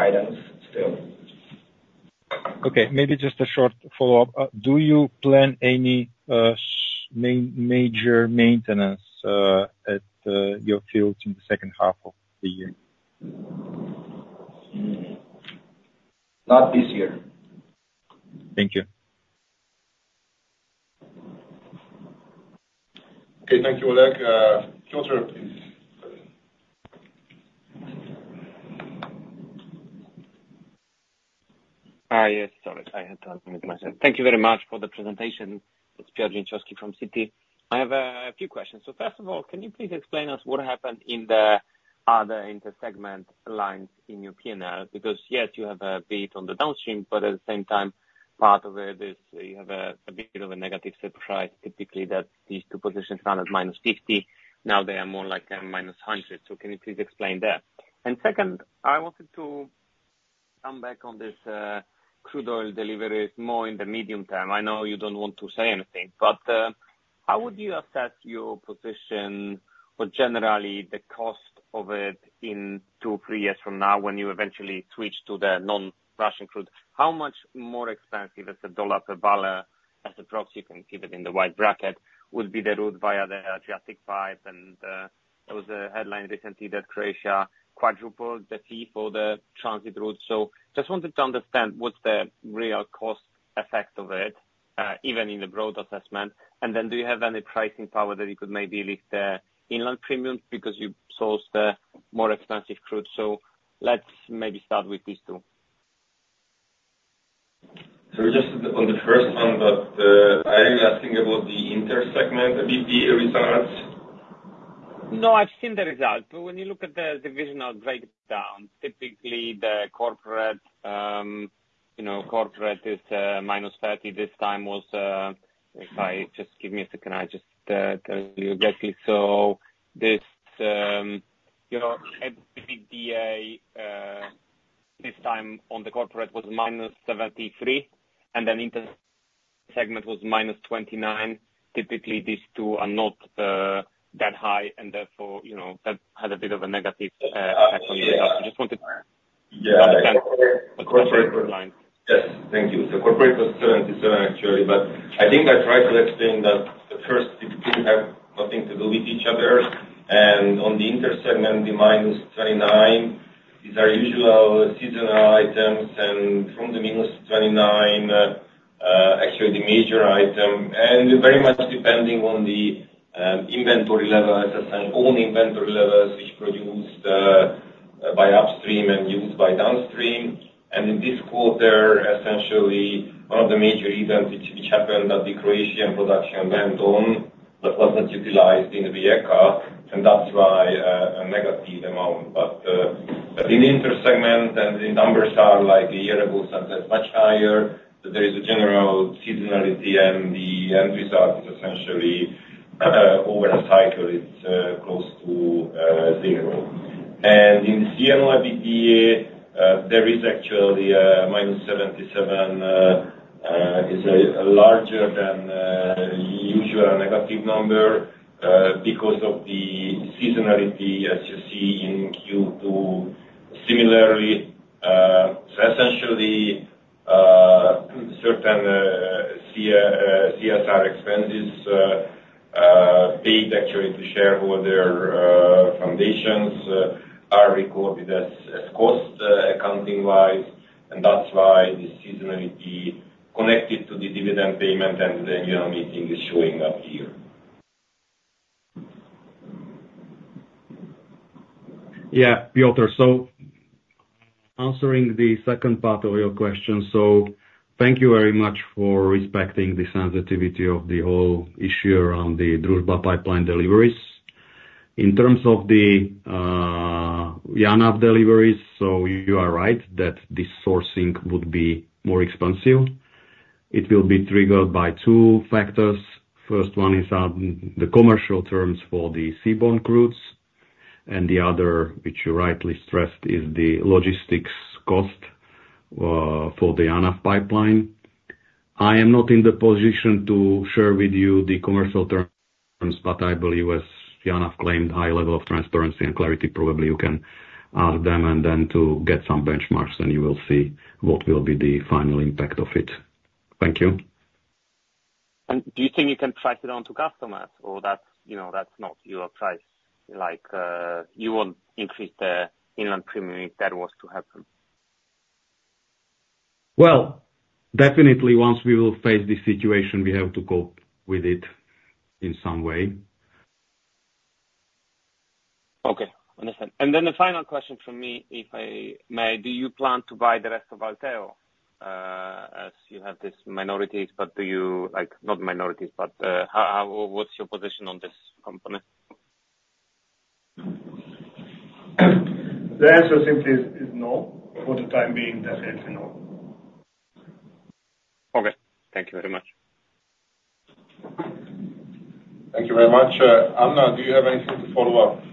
guidance still. Okay, maybe just a short follow-up. Do you plan any major maintenance at your fields in the second half of the year? Not this year. Thank you. Okay, thank you, Oleg. Piotr, please. Hi, yes, sorry, I had to unmute myself. Thank you very much for the presentation. It's Piotr Dzięciołowski from Citi. I have a few questions. So first of all, can you please explain us what happened in the other intersegment lines in your P&L? Because, yes, you have a beat on the downstream, but at the same time, part of it is you have a bit of a negative surprise, typically, that these two positions run at -50, now they are more like a -100. So can you please explain that? And second, I wanted to come back on this, crude oil deliveries more in the medium term. I know you don't want to say anything, but, how would you assess your position or generally the cost of it in, three years from now, when you eventually switch to the non-Russian crude? How much more expensive is the $ per barrel, as a proxy, you can keep it in the wide bracket, would be the route via the Adriatic pipe, and there was a headline recently that Croatia quadrupled the fee for the transit route. So just wanted to understand what's the real cost effect of it, even in the broad assessment. And then do you have any pricing power that you could maybe lift the inland premiums because you source the more expensive crude? So let's maybe start with these two. So just on the first one, but, I think about the intersegment EBITDA results. No, I've seen the results, but when you look at the divisional breakdown, typically the corporate, you know, corporate is minus 30. This time was, if I, just give me a second, I just tell you exactly. This, you know, EBITDA, this time on the corporate was minus 73, and then intersegment was minus 29. Typically, these two are not that high, and therefore, you know, that had a bit of a negative effect on the result. Yeah. I just wanted to understand- Yeah. The corporate line. Yes, thank you. So corporate was $77, actually, but I think I tried to explain that the first, it didn't have nothing to do with each other. And on the intersegment, the -$29 is our usual seasonal items, and from the -$29, actually the major item, and very much depending on the, inventory levels, as own inventory levels, which produced by upstream and used by downstream. And in this quarter, essentially, one of the major events which happened, that the Croatian production went on, but wasn't utilized in Rijeka, and that's why, a negative amount. But, but in the intersegment, and the numbers are like a year ago, sometimes much higher, there is a general seasonality, and the end result is essentially, over a cycle, it's, close to, zero. In C&O EBITDA, there is actually -$77, is a larger than usual negative number, because of the seasonality, as you see in Q2. Similarly, essentially, certain CSR expenses, paid actually to shareholder foundations, are recorded as cost accounting-wise, and that's why the seasonality connected to the dividend payment and the annual meeting is showing up here.... Yeah, Piotr, so answering the second part of your question, so thank you very much for respecting the sensitivity of the whole issue around the Druzhba pipeline deliveries. In terms of the JANAF deliveries, so you are right that this sourcing would be more expensive. It will be triggered by two factors: first one is the commercial terms for the seaborne routes, and the other, which you rightly stressed, is the logistics cost for the JANAF pipeline. I am not in the position to share with you the commercial terms, but I believe as JANAF claimed, high level of transparency and clarity, probably you can ask them and then to get some benchmarks, then you will see what will be the final impact of it. Thank you. Do you think you can pass it on to customers or that's, you know, that's not your price? Like, you won't increase the inland premium if that was to happen. Well, definitely once we will face this situation, we have to cope with it in some way. Okay, understand. And then the final question from me, if I may: do you plan to buy the rest of ALTEO? As you have this minorities, but do you... Like, not minorities, but, how, how, what's your position on this company? The answer simply is no. For the time being, the answer is no. Okay. Thank you very much. Thank you very much. Anna, do you have anything to follow up?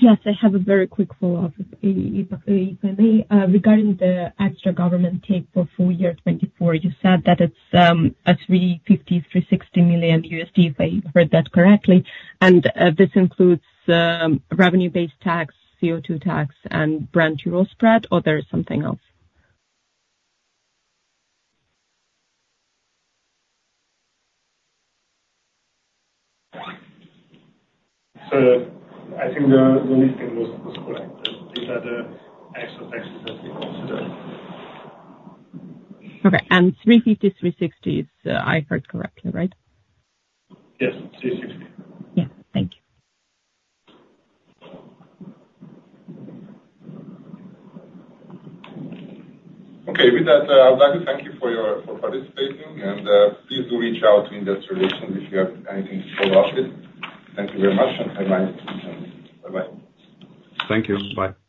Yes, I have a very quick follow-up, if I may. Regarding the extra government take for full year 2024, you said that it's $350 million-$600 million, if I heard that correctly, and this includes revenue-based tax, CO2 tax, and Brent-Ural spread, or there is something else? I think the listing was correct. These are the actual taxes that we consider. Okay, and 350, 360, it's, I heard correctly, right? Yes, 360. Yeah. Thank you. Okay. With that, I'd like to thank you for participating, and please do reach out to Investor Relations if you have anything to follow up with. Thank you very much, and bye-bye, and bye-bye. Thank you. Bye.